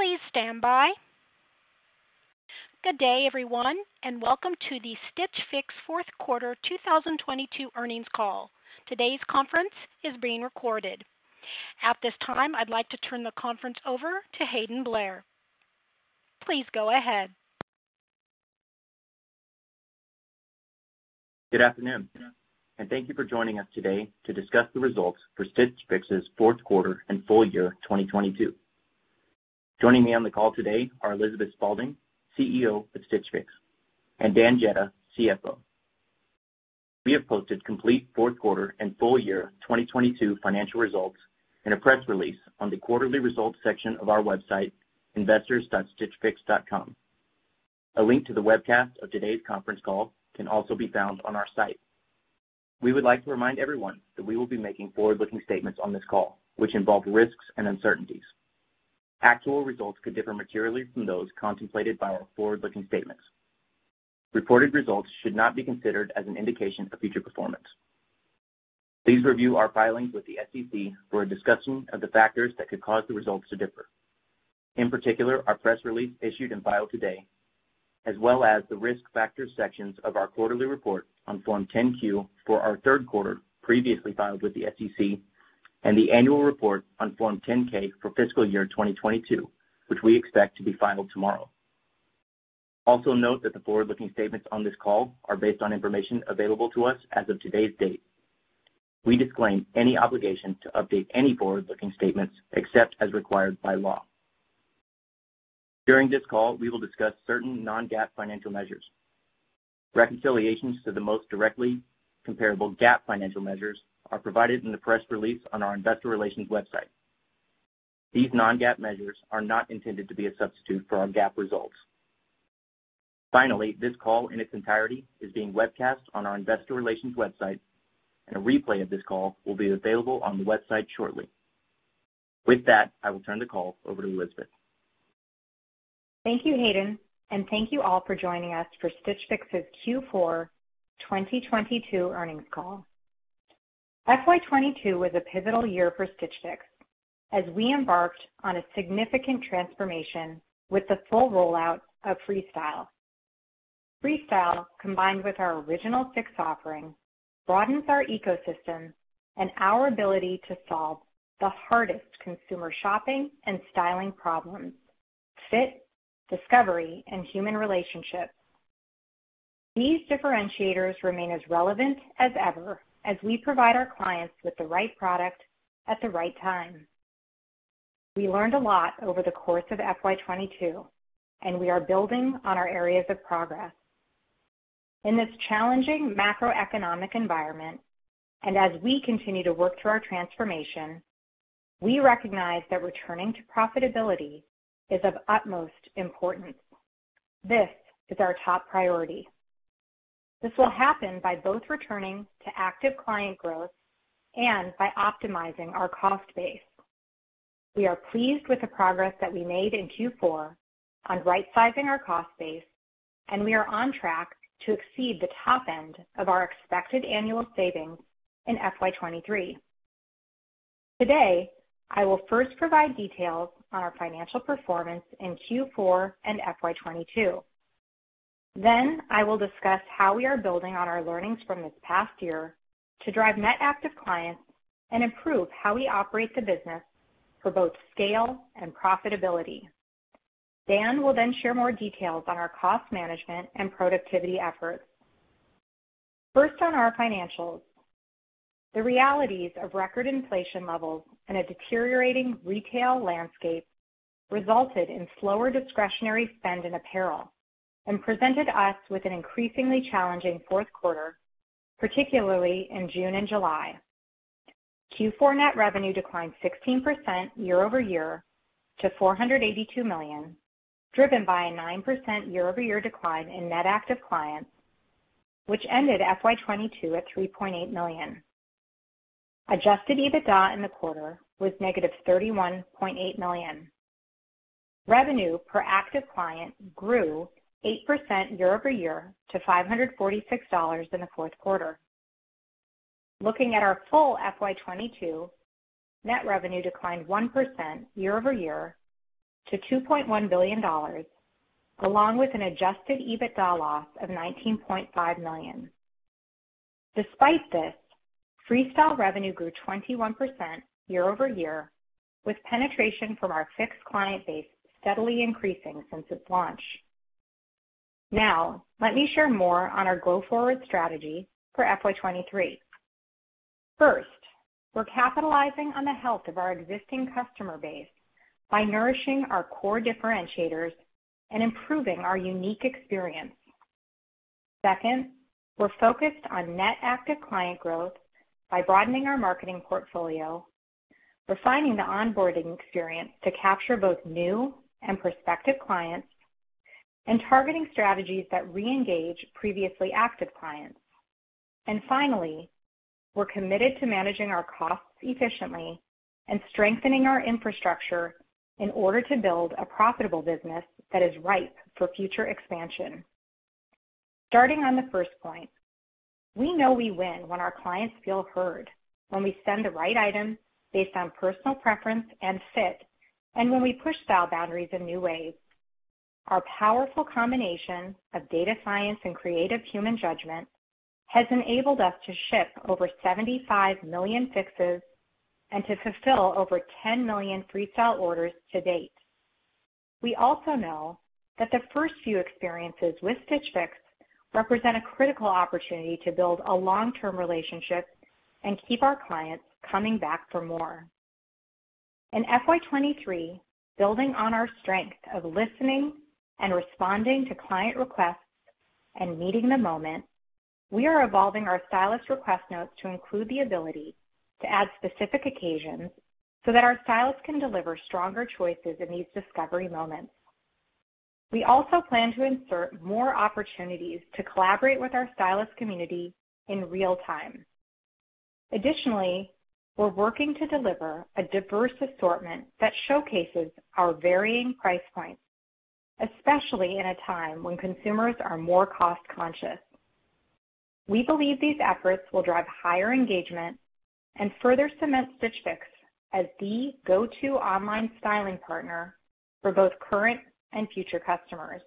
Please stand by. Good day, everyone, and welcome to the Stitch Fix fourth quarter 2022 earnings call. Today's conference is being recorded. At this time, I'd like to turn the conference over to Hayden Blair. Please go ahead. Good afternoon and thank you for joining us today to discuss the results for Stitch Fix's fourth quarter and full-year 2022. Joining me on the call today are Elizabeth Spaulding, CEO of Stitch Fix, and Dan Jedda, CFO. We have posted complete fourth quarter and full-year 2022 financial results in a press release on the quarterly results section of our website, investors.stitchfix.com. A link to the webcast of today's conference call can also be found on our site. We would like to remind everyone that we will be making forward-looking statements on this call, which involve risks and uncertainties. Actual results could differ materially from those contemplated by our forward-looking statements. Reported results should not be considered as an indication of future performance. Please review our filings with the SEC for a discussion of the factors that could cause the results to differ, in particular our press release issued and filed today, as well as the Risk Factors sections of our quarterly report on Form 10-Q for our third quarter previously filed with the SEC, and the annual report on Form 10-K for fiscal year 2022, which we expect to be filed tomorrow. Also note that the forward-looking statements on this call are based on information available to us as of today's date. We disclaim any obligation to update any forward-looking statements except as required by law. During this call, we will discuss certain non-GAAP financial measures. Reconciliations to the most directly comparable GAAP financial measures are provided in the press release on our investor relations website. These non-GAAP measures are not intended to be a substitute for our GAAP results. Finally, this call in its entirety is being webcast on our investor relations website, and a replay of this call will be available on the website shortly. With that, I will turn the call over to Elizabeth. Thank you, Hayden, and thank you all for joining us for Stitch Fix's Q4 2022 earnings call. FY 2022 was a pivotal year for Stitch Fix as we embarked on a significant transformation with the full rollout of Freestyle. Freestyle, combined with our original Fix offering, broadens our ecosystem and our ability to solve the hardest consumer shopping and styling problems, fit, discovery, and human relationships. These differentiators remain as relevant as ever as we provide our clients with the right product at the right time. We learned a lot over the course of FY 2022, and we are building on our areas of progress. In this challenging macroeconomic environment, and as we continue to work through our transformation, we recognize that returning to profitability is of utmost importance. This is our top priority. This will happen by both returning to active client growth and by optimizing our cost base. We are pleased with the progress that we made in Q4 on rightsizing our cost base, and we are on track to exceed the top end of our expected annual savings in FY 2023. Today, I will first provide details on our financial performance in Q4 and FY 2022. I will discuss how we are building on our learnings from this past year to drive net active clients and improve how we operate the business for both scale and profitability. Dan will then share more details on our cost management and productivity efforts. First, on our financials. The realities of record inflation levels and a deteriorating retail landscape resulted in slower discretionary spend in apparel and presented us with an increasingly challenging fourth quarter, particularly in June and July. Q4 net revenue declined 16% year-over-year to $482 million, driven by a 9% year-over-year decline in net active clients, which ended FY 2022 at 3.8 million. Adjusted EBITDA in the quarter was negative $31.8 million. Revenue per active client grew 8% year-over-year to $546 in the fourth quarter. Looking at our full FY 2022, net revenue declined 1% year-over-year to $2.1 billion, along with an adjusted EBITDA loss of $19.5 million. Despite this, Freestyle revenue grew 21% year-over-year, with penetration from our Fix client base steadily increasing since its launch. Now, let me share more on our go-forward strategy for FY 2023. First, we're capitalizing on the health of our existing customer base by nourishing our core differentiators and improving our unique experience. Second, we're focused on net active client growth by broadening our marketing portfolio, refining the onboarding experience to capture both new and prospective clients, and targeting strategies that reengage previously active clients. Finally, we're committed to managing our costs efficiently and strengthening our infrastructure in order to build a profitable business that is ripe for future expansion. Starting on the first point, we know we win when our clients feel heard, when we send the right items based on personal preference and fit, and when we push style boundaries in new ways. Our powerful combination of data science and creative human judgment has enabled us to ship over 75 million fixes and to fulfill over 10 million Freestyle orders to date. We also know that the first few experiences with Stitch Fix represent a critical opportunity to build a long-term relationship and keep our clients coming back for more. In FY 2023, building on our strength of listening and responding to client requests and meeting the moment, we are evolving our stylist request notes to include the ability to add specific occasions so that our stylists can deliver stronger choices in these discovery moments. We also plan to insert more opportunities to collaborate with our stylist community in real time. Additionally, we're working to deliver a diverse assortment that showcases our varying price points, especially in a time when consumers are more cost-conscious. We believe these efforts will drive higher engagement and further cement Stitch Fix as the go-to online styling partner for both current and future customers.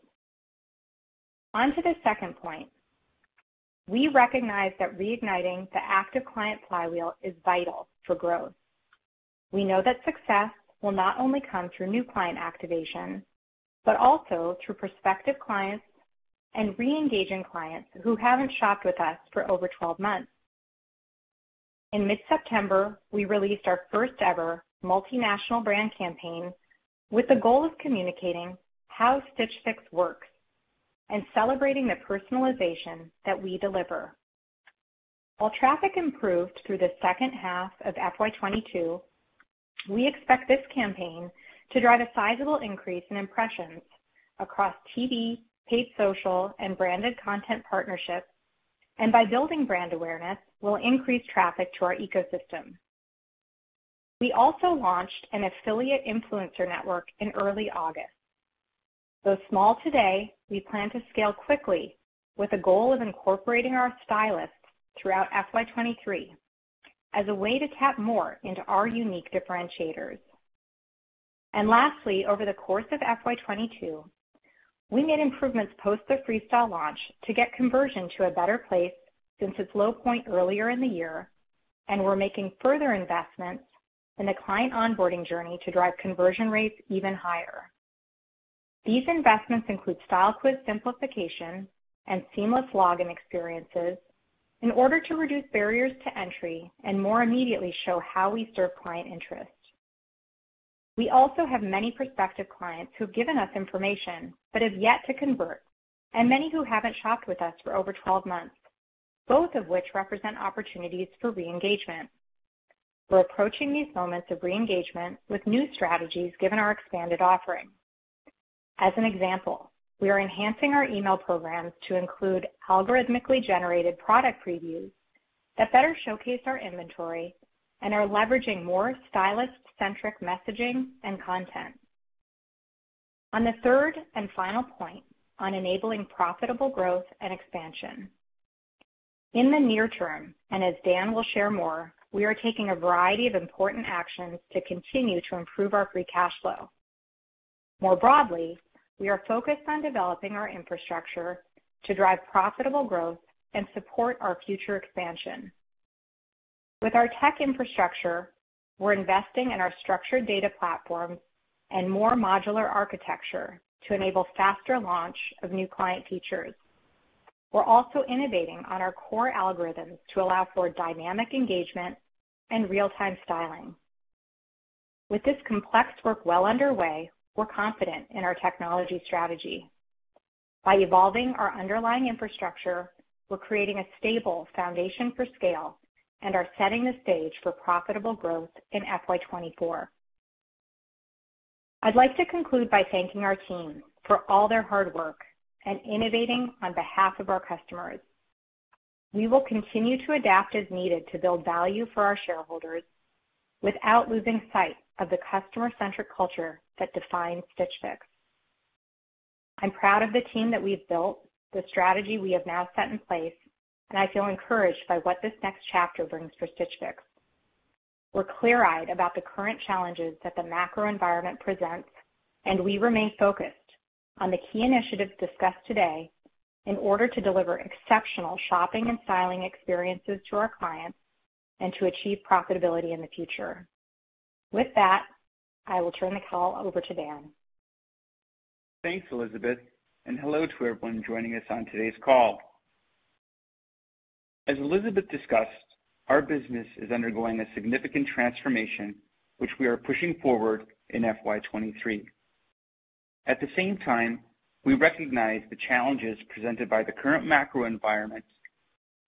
On to the second point. We recognize that reigniting the active client flywheel is vital for growth. We know that success will not only come through new client activation, but also through prospective clients and re-engaging clients who haven't shopped with us for over 12 months. In mid-September, we released our first-ever multinational brand campaign with the goal of communicating how Stitch Fix works and celebrating the personalization that we deliver. While traffic improved through the second half of FY 2022, we expect this campaign to drive a sizable increase in impressions across TV, paid social, and branded content partnerships, and by building brand awareness, we'll increase traffic to our ecosystem. We also launched an affiliate influencer network in early August. Though small today, we plan to scale quickly with a goal of incorporating our stylists throughout FY 2023 as a way to tap more into our unique differentiators. Lastly, over the course of FY 2022, we made improvements post the Freestyle launch to get conversion to a better place since its low point earlier in the year, and we're making further investments in the client onboarding journey to drive conversion rates even higher. These investments include style quiz simplification and seamless login experiences in order to reduce barriers to entry and more immediately show how we serve client interests. We also have many prospective clients who've given us information but have yet to convert, and many who haven't shopped with us for over 12 months, both of which represent opportunities for re-engagement. We're approaching these moments of re-engagement with new strategies given our expanded offering. As an example, we are enhancing our email programs to include algorithmically generated product previews that better showcase our inventory and are leveraging more stylist-centric messaging and content. On the third and final point on enabling profitable growth and expansion. In the near term, and as Dan will share more, we are taking a variety of important actions to continue to improve our free cash flow. More broadly, we are focused on developing our infrastructure to drive profitable growth and support our future expansion. With our tech infrastructure, we're investing in our structured data platform and more modular architecture to enable faster launch of new client features. We're also innovating on our core algorithms to allow for dynamic engagement and real-time styling. With this complex work well underway, we're confident in our technology strategy. By evolving our underlying infrastructure, we're creating a stable foundation for scale and are setting the stage for profitable growth in FY 2024. I'd like to conclude by thanking our team for all their hard work and innovating on behalf of our customers. We will continue to adapt as needed to build value for our shareholders without losing sight of the customer-centric culture that defines Stitch Fix. I'm proud of the team that we've built, the strategy we have now set in place, and I feel encouraged by what this next chapter brings for Stitch Fix. We're clear-eyed about the current challenges that the macro environment presents, and we remain focused on the key initiatives discussed today in order to deliver exceptional shopping and styling experiences to our clients and to achieve profitability in the future. With that, I will turn the call over to Dan. Thanks, Elizabeth, and hello to everyone joining us on today's call. As Elizabeth discussed, our business is undergoing a significant transformation, which we are pushing forward in FY 2023. At the same time, we recognize the challenges presented by the current macro environment,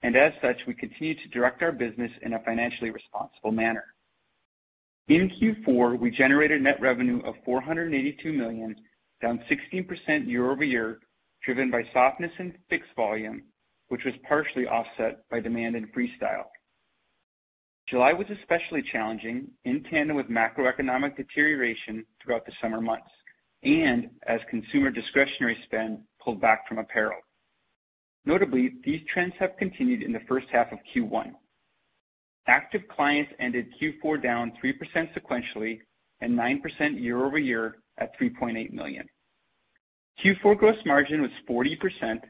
and as such, we continue to direct our business in a financially responsible manner. In Q4, we generated net revenue of $482 million, down 16% year-over-year, driven by softness in Fix volume, which was partially offset by demand in Freestyle. July was especially challenging in tandem with macroeconomic deterioration throughout the summer months and as consumer discretionary spend pulled back from apparel. Notably, these trends have continued in the first half of Q1. Active clients ended Q4 down 3% sequentially and 9% year-over-year at 3.8 million. Q4 gross margin was 40%,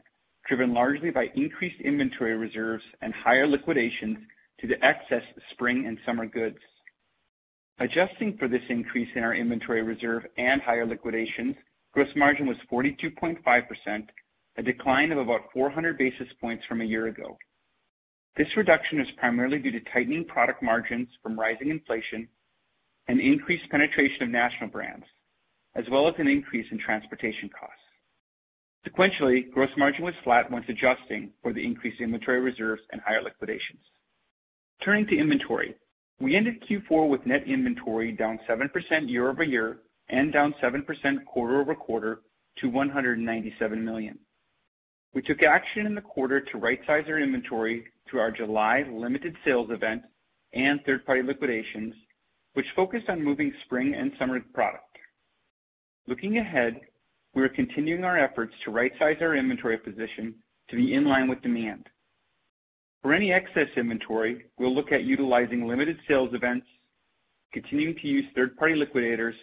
driven largely by increased inventory reserves and higher liquidations to the excess spring and summer goods. Adjusting for this increase in our inventory reserve and higher liquidation, gross margin was 42.5%, a decline of about 400 basis points from a year ago. This reduction is primarily due to tightening product margins from rising inflation and increased penetration of national brands, as well as an increase in transportation costs. Sequentially, gross margin was flat once adjusting for the increased inventory reserves and higher liquidations. Turning to inventory. We ended Q4 with net inventory down 7% year-over-year and down 7% quarter-over-quarter to $197 million. We took action in the quarter to right-size our inventory through our July limited sales event and third-party liquidations, which focused on moving spring and summer product. Looking ahead, we are continuing our efforts to right-size our inventory position to be in line with demand. For any excess inventory, we'll look at utilizing limited sales events, continuing to use third-party liquidators,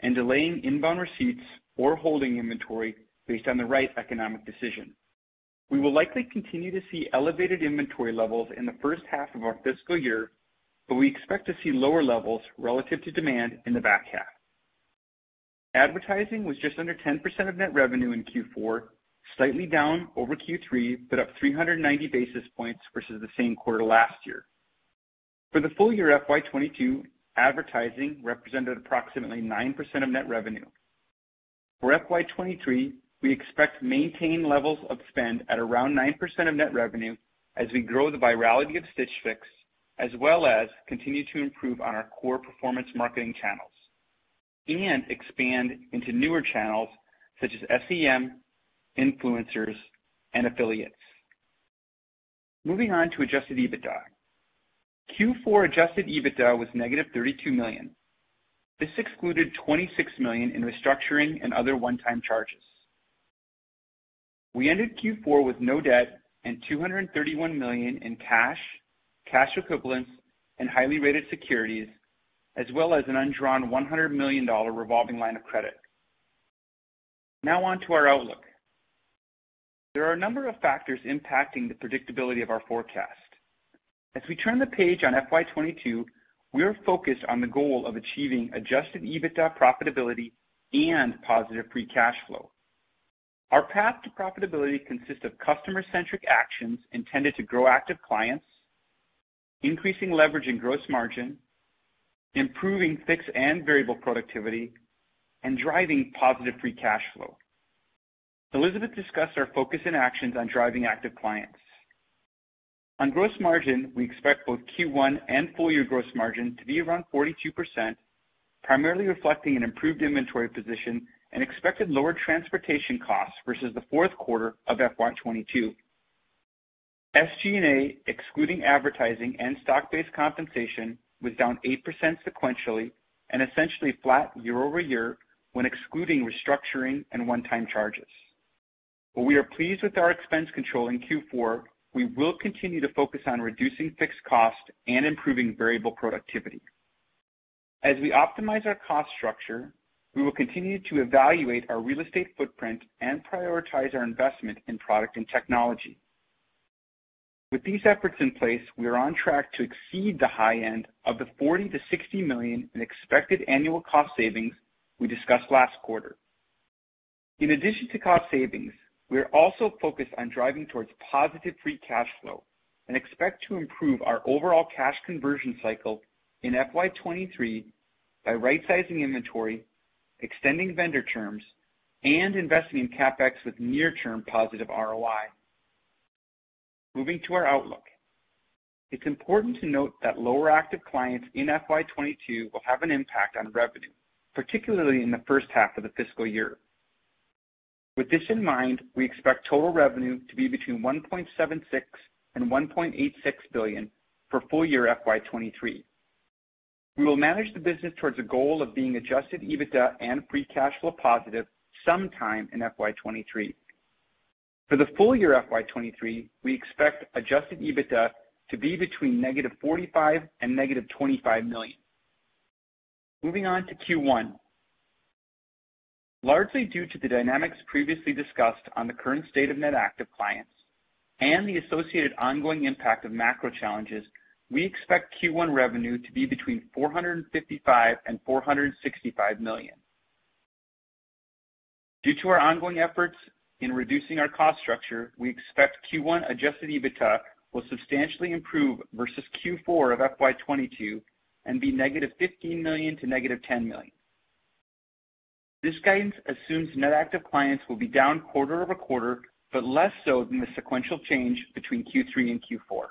and delaying inbound receipts or holding inventory based on the right economic decision. We will likely continue to see elevated inventory levels in the first half of our fiscal year, but we expect to see lower levels relative to demand in the back half. Advertising was just under 10% of net revenue in Q4, slightly down over Q3, but up 390 basis points versus the same quarter last year. For the full-year FY 2022, advertising represented approximately 9% of net revenue. For FY 2023, we expect to maintain levels of spend at around 9% of net revenue as we grow the virality of Stitch Fix, as well as continue to improve on our core performance marketing channels and expand into newer channels such as SEM, influencers, and affiliates. Moving on to adjusted EBITDA. Q4 adjusted EBITDA was -$32 million. This excluded $26 million in restructuring and other one-time charges. We ended Q4 with no debt and $231 million in cash equivalents, and highly rated securities, as well as an undrawn $100 million revolving line of credit. Now on to our outlook. There are a number of factors impacting the predictability of our forecast. As we turn the page on FY 2022, we are focused on the goal of achieving adjusted EBITDA profitability and positive free cash flow. Our path to profitability consists of customer-centric actions intended to grow active clients, increasing leverage in gross margin, improving fixed and variable productivity, and driving positive free cash flow. Elizabeth discussed our focus and actions on driving active clients. On gross margin, we expect both Q1 and full-year gross margin to be around 42%, primarily reflecting an improved inventory position and expected lower transportation costs versus the fourth quarter of FY 2022. SG&A, excluding advertising and stock-based compensation, was down 8% sequentially and essentially flat year-over-year when excluding restructuring and one-time charges. While we are pleased with our expense control in Q4, we will continue to focus on reducing fixed cost and improving variable productivity. As we optimize our cost structure, we will continue to evaluate our real estate footprint and prioritize our investment in product and technology. With these efforts in place, we are on track to exceed the high end of the $40 million-$60 million in expected annual cost savings we discussed last quarter. In addition to cost savings, we are also focused on driving towards positive free cash flow and expect to improve our overall cash conversion cycle in FY 2023 by rightsizing inventory, extending vendor terms, and investing in CapEx with near-term positive ROI. Moving to our outlook. It's important to note that lower active clients in FY 2022 will have an impact on revenue, particularly in the first half of the fiscal year. With this in mind, we expect total revenue to be between $1.76 billion and $1.86 billion for full-year FY 2023. We will manage the business towards a goal of being adjusted EBITDA and free cash flow positive sometime in FY 2023. For the full-year FY 2023, we expect adjusted EBITDA to be between -$45 million and -$25 million. Moving on to Q1. Largely due to the dynamics previously discussed on the current state of net active clients and the associated ongoing impact of macro challenges, we expect Q1 revenue to be between $455 million and $465 million. Due to our ongoing efforts in reducing our cost structure, we expect Q1 adjusted EBITDA will substantially improve versus Q4 of FY 2022 and be -$15 million to -$10 million. This guidance assumes net active clients will be down quarter-over-quarter, but less so than the sequential change between Q3 and Q4.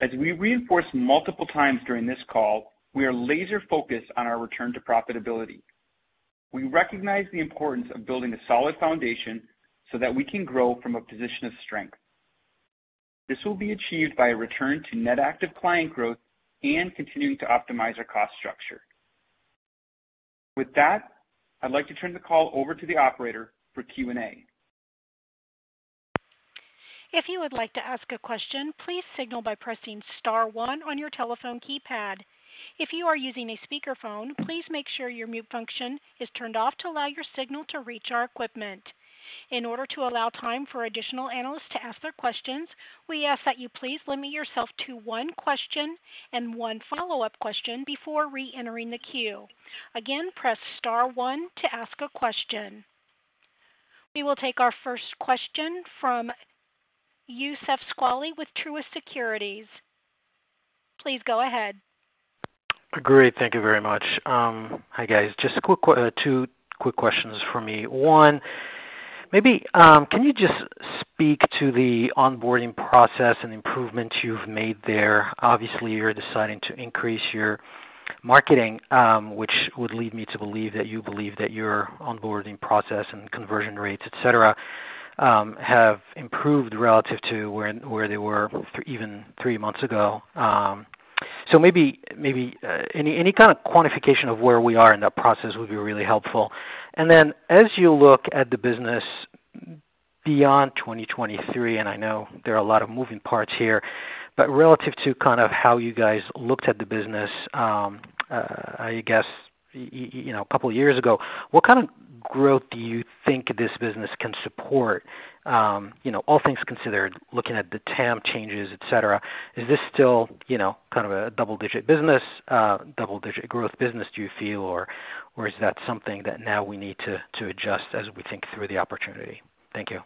As we reinforced multiple times during this call, we are laser focused on our return to profitability. We recognize the importance of building a solid foundation so that we can grow from a position of strength. This will be achieved by a return to net active client growth and continuing to optimize our cost structure. With that, I'd like to turn the call over to the operator for Q&A. If you would like to ask a question, please signal by pressing star one on your telephone keypad. If you are using a speakerphone, please make sure your mute function is turned off to allow your signal to reach our equipment. In order to allow time for additional analysts to ask their questions, we ask that you please limit yourself to one question and one follow-up question before reentering the queue. Again, press star one to ask a question. We will take our first question from Youssef Squali with Truist Securities. Please go ahead. Great. Thank you very much. Hi, guys. Just two quick questions for me. One, maybe can you just speak to the onboarding process and improvements you've made there? Obviously, you're deciding to increase your marketing, which would lead me to believe that you believe that your onboarding process and conversion rates, et cetera, have improved relative to where they were even three months ago. Maybe any kind of quantification of where we are in that process would be really helpful. As you look at the business beyond 2023, I know there are a lot of moving parts here, but relative to kind of how you guys looked at the business, I guess you know, a couple years ago, what kind of growth do you think this business can support? You know, all things considered, looking at the TAM changes, et cetera, is this still, you know, kind of a double-digit business, double-digit growth business, do you feel, or is that something that now we need to adjust as we think through the opportunity? Thank you.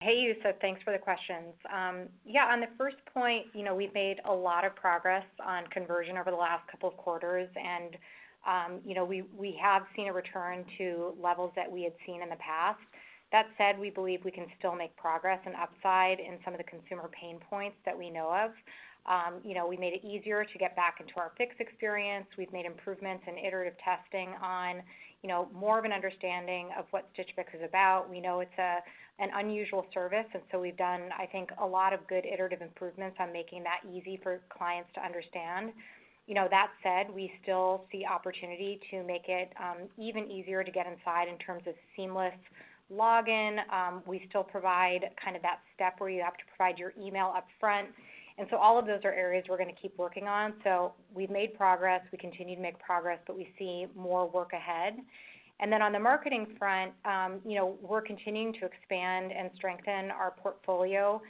Hey, Youssef. Thanks for the questions. Yeah, on the first point, you know, we've made a lot of progress on conversion over the last couple of quarters, and you know, we have seen a return to levels that we had seen in the past. That said, we believe we can still make progress and upside in some of the consumer pain points that we know of. You know, we made it easier to get back into our Fix experience. We've made improvements in iterative testing on, you know, more of an understanding of what Stitch Fix is about. We know it's an unusual service, and so we've done, I think, a lot of good iterative improvements on making that easy for clients to understand. You know, that said, we still see opportunity to make it even easier to get inside in terms of seamless login. We still provide kind of that step where you have to provide your email up front. All of those are areas we're gonna keep working on. We've made progress. We continue to make progress, but we see more work ahead. On the marketing front, you know, we're continuing to expand and strengthen our portfolio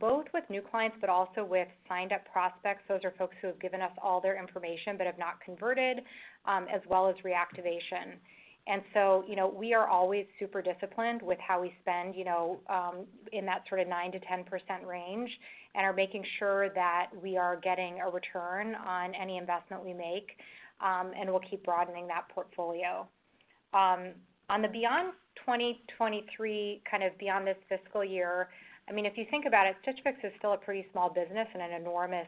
both with new clients but also with signed-up prospects. Those are folks who have given us all their information but have not converted, as well as reactivation. You know, we are always super disciplined with how we spend, you know, in that sort of 9%-10% range and are making sure that we are getting a return on any investment we make, and we'll keep broadening that portfolio. Beyond 2023, kind of beyond this fiscal year, I mean, if you think about it, Stitch Fix is still a pretty small business in an enormous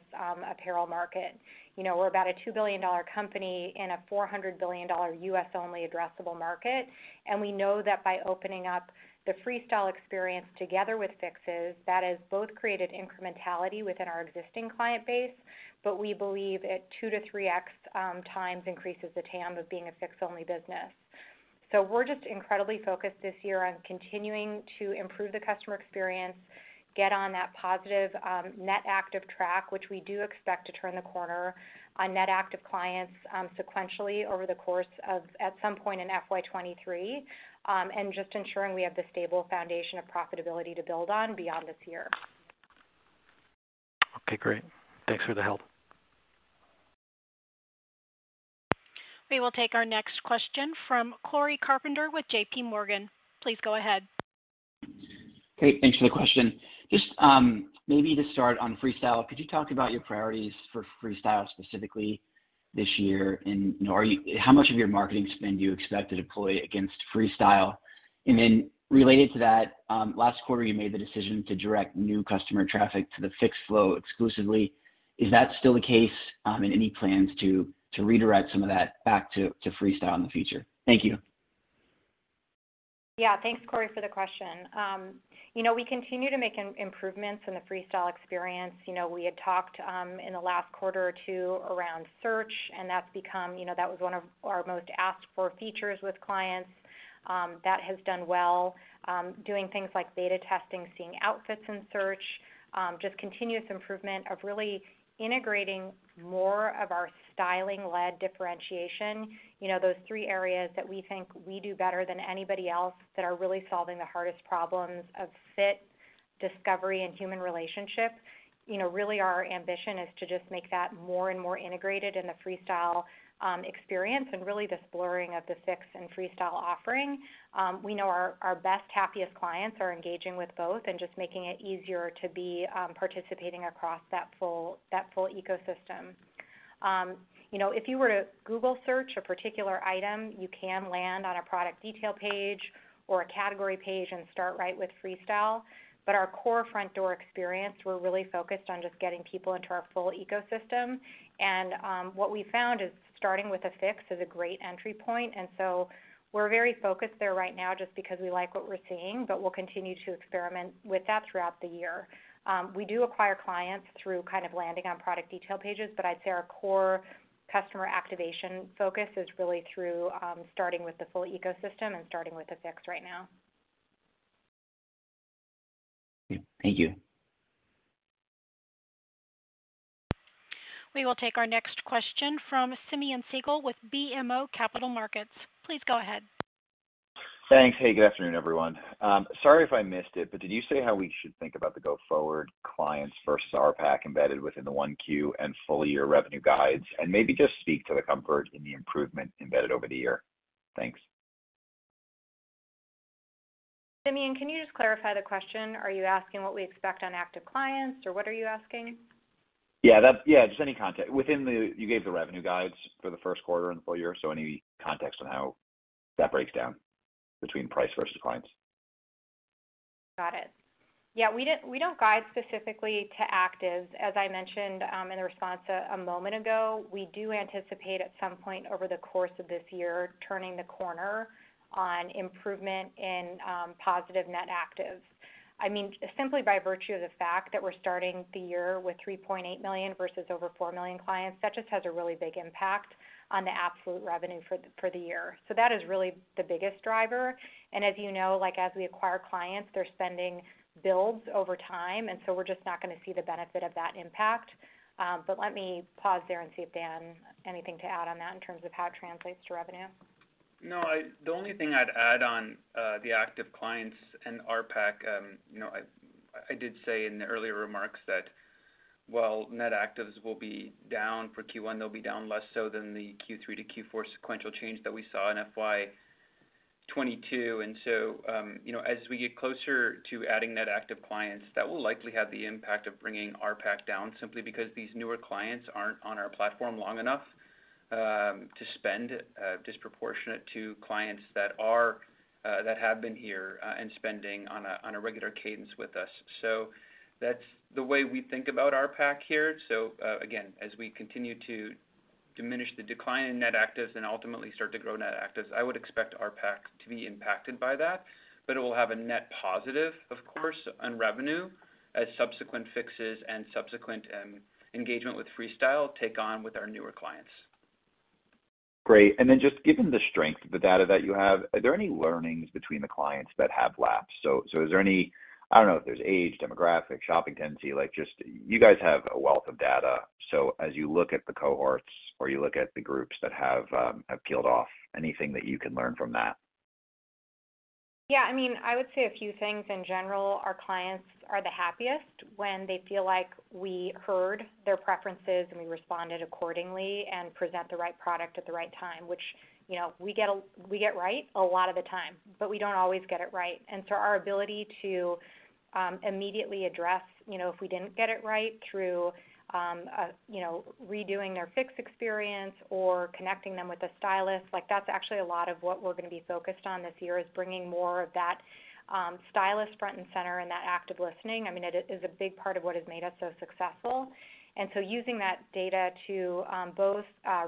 apparel market. You know, we're about a $2 billion company in a $400 billion U.S.-only addressable market, and we know that by opening up the Freestyle experience together with Fix, that has both created incrementality within our existing client base, but we believe it 2x-3x increases the TAM of being a Fix-only business. We're just incredibly focused this year on continuing to improve the customer experience, get on that positive net active track, which we do expect to turn the corner on net active clients sequentially at some point in FY 2023, and just ensuring we have the stable foundation of profitability to build on beyond this year. Okay, great. Thanks for the help. We will take our next question from Cory Carpenter with J.P. Morgan. Please go ahead. Great. Thanks for the question. Just, maybe to start on Freestyle, could you talk about your priorities for Freestyle specifically this year? You know, how much of your marketing spend do you expect to deploy against Freestyle? Related to that, last quarter, you made the decision to direct new customer traffic to the Fix flow exclusively. Is that still the case, and any plans to redirect some of that back to Freestyle in the future? Thank you. Yeah. Thanks, Cory, for the question. You know, we continue to make improvements in the Freestyle experience. You know, we had talked in the last quarter or two around search, and that's become, you know, that was one of our most asked for features with clients. That has done well. Doing things like beta testing, seeing outfits in search, just continuous improvement of really integrating more of our styling-led differentiation. You know, those three areas that we think we do better than anybody else that are really solving the hardest problems of fit, discovery, and human relationship. You know, really our ambition is to just make that more and more integrated in the Freestyle experience and really this blurring of the Fix and Freestyle offering. We know our best, happiest clients are engaging with both and just making it easier to be participating across that full ecosystem. You know, if you were to Google search a particular item, you can land on a product detail page or a category page and start right with Freestyle. Our core front door experience, we're really focused on just getting people into our full ecosystem. What we found is starting with a Fix is a great entry point, and so we're very focused there right now just because we like what we're seeing, but we'll continue to experiment with that throughout the year. We do acquire clients through kind of landing on product detail pages, but I'd say our core customer activation focus is really through starting with the full ecosystem and starting with a Fix right now. Thank you. We will take our next question from Simeon Siegel with BMO Capital Markets. Please go ahead. Thanks. Hey, good afternoon, everyone. Sorry if I missed it, but did you say how we should think about the go-forward clients versus RPAC embedded within the 1Q and full-year revenue guides? Maybe just speak to the comfort in the improvement embedded over the year. Thanks. Simeon, can you just clarify the question? Are you asking what we expect on active clients, or what are you asking? Just any context. You gave the revenue guidance for the first quarter and full-year, so any context on how that breaks down between price versus clients. Got it. Yeah, we don't guide specifically to actives. As I mentioned, in the response a moment ago, we do anticipate at some point over the course of this year turning the corner on improvement in positive net actives. I mean, simply by virtue of the fact that we're starting the year with 3.8 million versus over 4 million clients, that just has a really big impact on the absolute revenue for the year. That is really the biggest driver. As you know, like, as we acquire clients, their spending builds over time, and so we're just not gonna see the benefit of that impact. Let me pause there and see if Dan anything to add on that in terms of how it translates to revenue. No, the only thing I'd add on the active clients and RPAC, you know, I did say in the earlier remarks that while net actives will be down for Q1, they'll be down less so than the Q3 to Q4 sequential change that we saw in FY 2022. You know, as we get closer to adding net active clients, that will likely have the impact of bringing RPAC down simply because these newer clients aren't on our platform long enough to spend disproportionately to clients that have been here and spending on a regular cadence with us. That's the way we think about RPAC here. Again, as we continue to diminish the decline in net actives and ultimately start to grow net actives, I would expect RPAC to be impacted by that. It will have a net positive, of course, on revenue as subsequent fixes and subsequent engagement with Freestyle take on with our newer clients. Great. Just given the strength of the data that you have, are there any learnings between the clients that have lapsed? Is there any, I don't know if there's age, demographic, shopping tendency, like just you guys have a wealth of data. As you look at the cohorts or you look at the groups that have peeled off, anything that you can learn from that? Yeah, I mean, I would say a few things. In general, our clients are the happiest when they feel like we heard their preferences, and we responded accordingly and present the right product at the right time, which, you know, we get right a lot of the time, but we don't always get it right. Our ability to immediately address, you know, if we didn't get it right through, you know, redoing their Fix experience or connecting them with a stylist, like that's actually a lot of what we're gonna be focused on this year, is bringing more of that, stylist front and center and that active listening. I mean, it is a big part of what has made us so successful. Using that data to both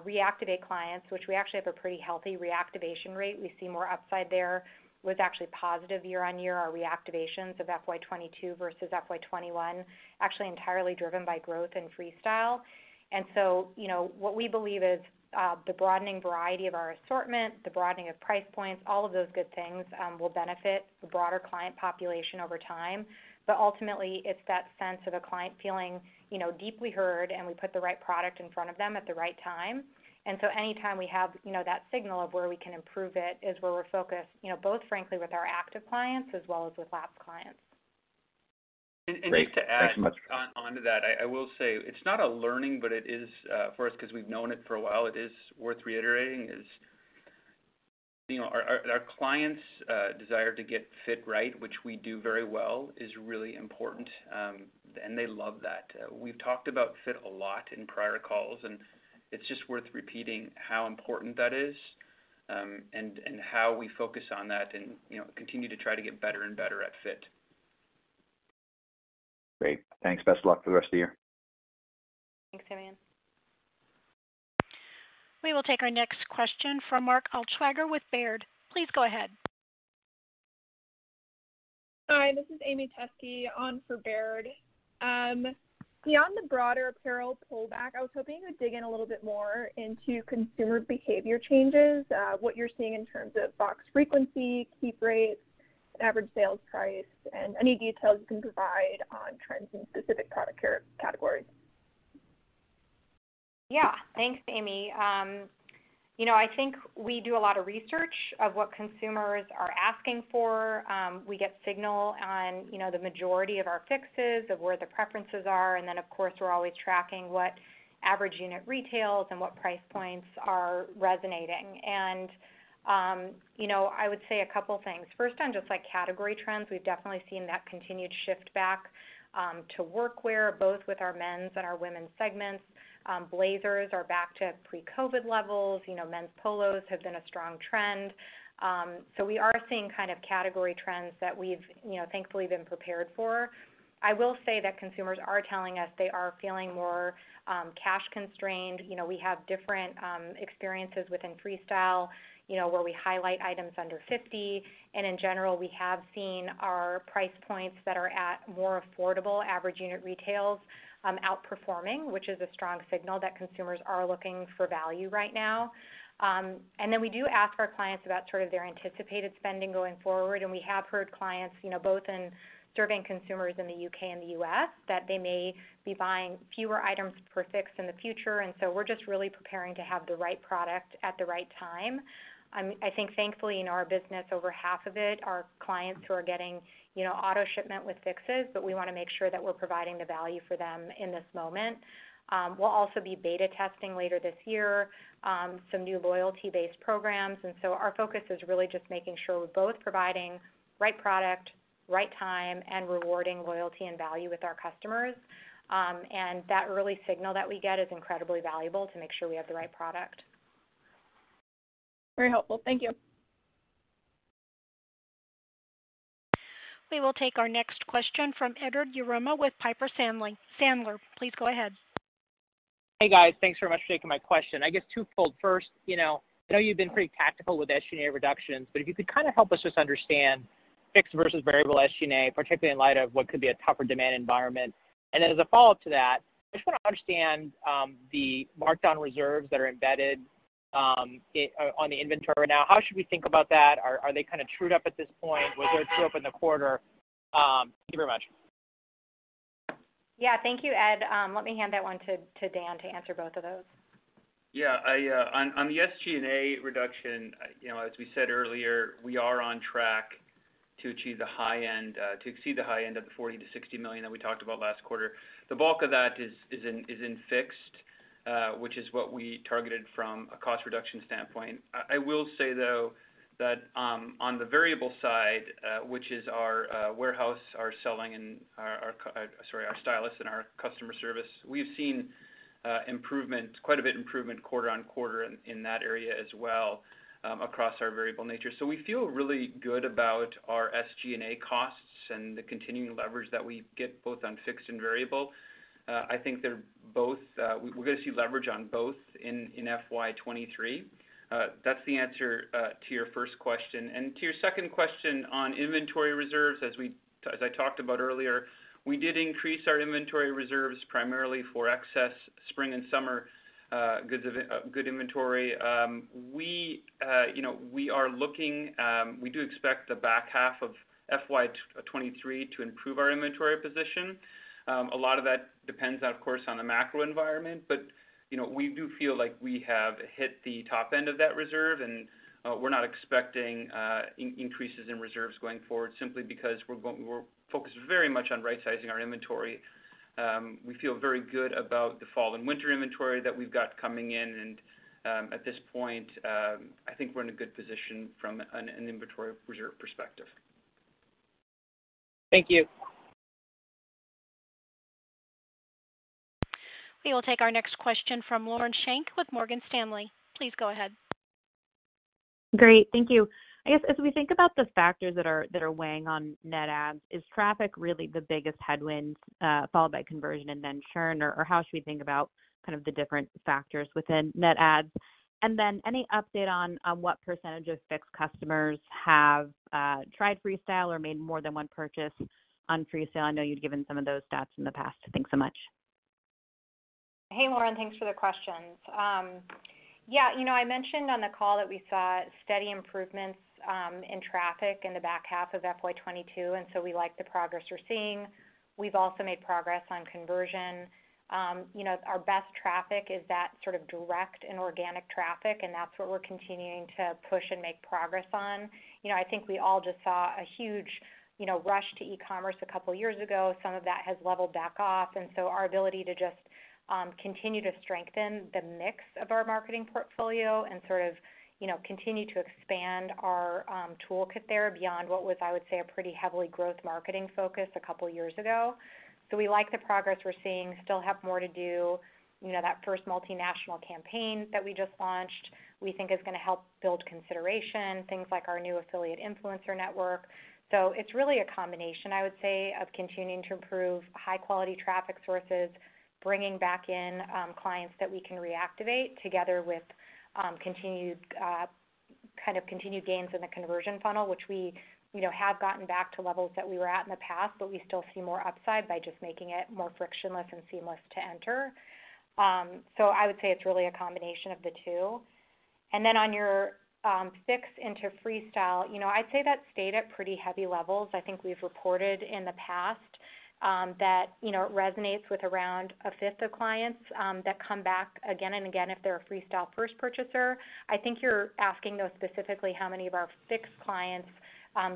reactivate clients, which we actually have a pretty healthy reactivation rate. We see more upside there. It was actually positive year-on-year, our reactivations of FY 2022 versus FY 2021, actually entirely driven by growth in Freestyle. You know, what we believe is the broadening variety of our assortment, the broadening of price points, all of those good things will benefit the broader client population over time. But ultimately, it's that sense of a client feeling, you know, deeply heard, and we put the right product in front of them at the right time. Anytime we have, you know, that signal of where we can improve it is where we're focused, you know, both frankly with our active clients as well as with lapsed clients. Great. Thanks so much. Just to add on to that, I will say it's not a learning, but it is for us, 'cause we've known it for a while. It is worth reiterating, you know, our clients' desire to get fit right, which we do very well, is really important. They love that. We've talked about fit a lot in prior calls, and it's just worth repeating how important that is, and how we focus on that and, you know, continue to try to get better and better at fit. Great. Thanks. Best of luck for the rest of the year. Thanks, Simeon. We will take our next question from Mark Altschwager with Baird. Please go ahead. Hi, this is Amy Teske on for Baird. Beyond the broader apparel pullback, I was hoping you would dig in a little bit more into consumer behavior changes, what you're seeing in terms of box frequency, keep rates, average sales price, and any details you can provide on trends in specific product categories. Yeah. Thanks, Amy. You know, I think we do a lot of research of what consumers are asking for. We get signal on, you know, the majority of our fixes of where the preferences are, and then of course, we're always tracking what average unit retails and what price points are resonating. You know, I would say a couple things. First on just like category trends, we've definitely seen that continued shift back to workwear, both with our men's and our women's segments. Blazers are back to pre-COVID levels. You know, men's polos have been a strong trend. We are seeing kind of category trends that we've, you know, thankfully been prepared for. I will say that consumers are telling us they are feeling more cash constrained. You know, we have different experiences within Freestyle, you know, where we highlight items under 50. In general, we have seen our price points that are at more affordable average unit retails outperforming, which is a strong signal that consumers are looking for value right now. We do ask our clients about sort of their anticipated spending going forward, and we have heard clients, you know, both in serving consumers in the U.K. and the U.S., that they may be buying fewer items per fix in the future. We're just really preparing to have the right product at the right time. I think thankfully in our business, over half of it are clients who are getting, you know, auto shipment with fixes, but we wanna make sure that we're providing the value for them in this moment. We'll also be beta testing later this year some new loyalty-based programs. Our focus is really just making sure we're both providing right product, right time, and rewarding loyalty and value with our customers. That early signal that we get is incredibly valuable to make sure we have the right product. Very helpful. Thank you. We will take our next question from Edward Yruma with Piper Sandler. Please go ahead. Hey, guys. Thanks very much for taking my question. I guess twofold. First, you know, I know you've been pretty tactical with SG&A reductions, but if you could kinda help us just understand fixed versus variable SG&A, particularly in light of what could be a tougher demand environment. As a follow-up to that, I just wanna understand the markdown reserves that are embedded on the inventory right now. How should we think about that? Are they kinda trued up at this point? Was there a true-up in the quarter? Thank you very much. Yeah. Thank you, Ed. Let me hand that one to Dan to answer both of those. Yeah. I on the SG&A reduction, you know, as we said earlier, we are on track to achieve the high end, to exceed the high end of the $40 million-$60 million that we talked about last quarter. The bulk of that is in fixed, which is what we targeted from a cost reduction standpoint. I will say, though, that on the variable side, which is our warehouse, our stylists and our customer service, we've seen improvement, quite a bit improvement quarter-over-quarter in that area as well, across our variable nature. We feel really good about our SG&A costs and the continuing leverage that we get both on fixed and variable. I think they're both. We're gonna see leverage on both in FY 2023. That's the answer to your first question. To your second question on inventory reserves, as I talked about earlier, we did increase our inventory reserves primarily for excess spring and summer goods, good inventory. You know, we are looking. We do expect the back half of FY 2023 to improve our inventory position. A lot of that depends, of course, on the macro environment. You know, we do feel like we have hit the top end of that reserve, and we're not expecting increases in reserves going forward simply because we're focused very much on rightsizing our inventory. We feel very good about the fall and winter inventory that we've got coming in. At this point, I think we're in a good position from an inventory reserve perspective. Thank you. We will take our next question from Lauren Schenk with Morgan Stanley. Please go ahead. Great. Thank you. I guess, as we think about the factors that are weighing on net adds, is traffic really the biggest headwind, followed by conversion and then churn? Or how should we think about kind of the different factors within net adds? Any update on what percentage of Fix customers have tried Freestyle or made more than one purchase on Freestyle? I know you'd given some of those stats in the past. Thanks so much. Hey, Lauren. Thanks for the questions. Yeah. You know, I mentioned on the call that we saw steady improvements in traffic in the back half of FY 2022, and so we like the progress we're seeing. We've also made progress on conversion. You know, our best traffic is that sort of direct and organic traffic, and that's what we're continuing to push and make progress on. You know, I think we all just saw a huge, you know, rush to e-commerce a couple years ago. Some of that has leveled back off, and so our ability to just continue to strengthen the mix of our marketing portfolio and sort of, you know, continue to expand our toolkit there beyond what was, I would say, a pretty heavily growth marketing focus a couple years ago. We like the progress we're seeing. Still have more to do. You know, that first multinational campaign that we just launched, we think is gonna help build consideration, things like our new affiliate influencer network. It's really a combination, I would say, of continuing to improve high quality traffic sources, bringing back in clients that we can reactivate together with continued gains in the conversion funnel, which we, you know, have gotten back to levels that we were at in the past, but we still see more upside by just making it more frictionless and seamless to enter. I would say it's really a combination of the two. Then on your Fix into Freestyle, you know, I'd say that stayed at pretty heavy levels. I think we've reported in the past that you know it resonates with around a fifth of clients that come back again and again if they're a Freestyle first purchaser. I think you're asking though specifically how many of our Fix clients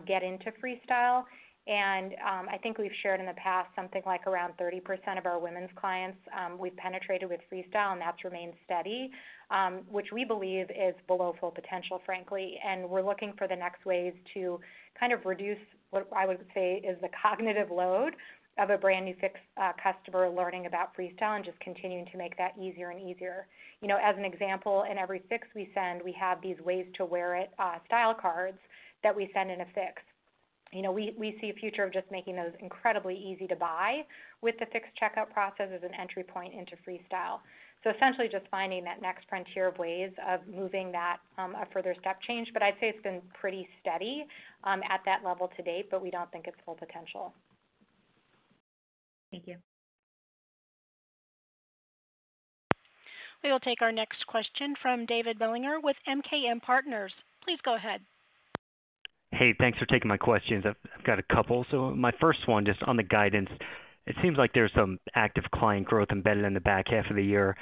get into Freestyle. I think we've shared in the past something like around 30% of our women's clients we've penetrated with Freestyle and that's remained steady which we believe is below full potential frankly. We're looking for the next ways to kind of reduce what I would say is the cognitive load of a brand-new Fix customer learning about Freestyle and just continuing to make that easier and easier. You know as an example in every Fix we send we have these ways to wear it style cards that we send in a Fix. You know, we see a future of just making those incredibly easy to buy with the Fix checkout process as an entry point into Freestyle. Essentially just finding that next frontier of ways of moving that, a further step change. I'd say it's been pretty steady, at that level to date, but we don't think it's full potential. Thank you. We will take our next question from David Bellinger with MKM Partners. Please go ahead. Hey, thanks for taking my questions. I've got a couple. My first one, just on the guidance, it seems like there's some active client growth embedded in the back half of the year.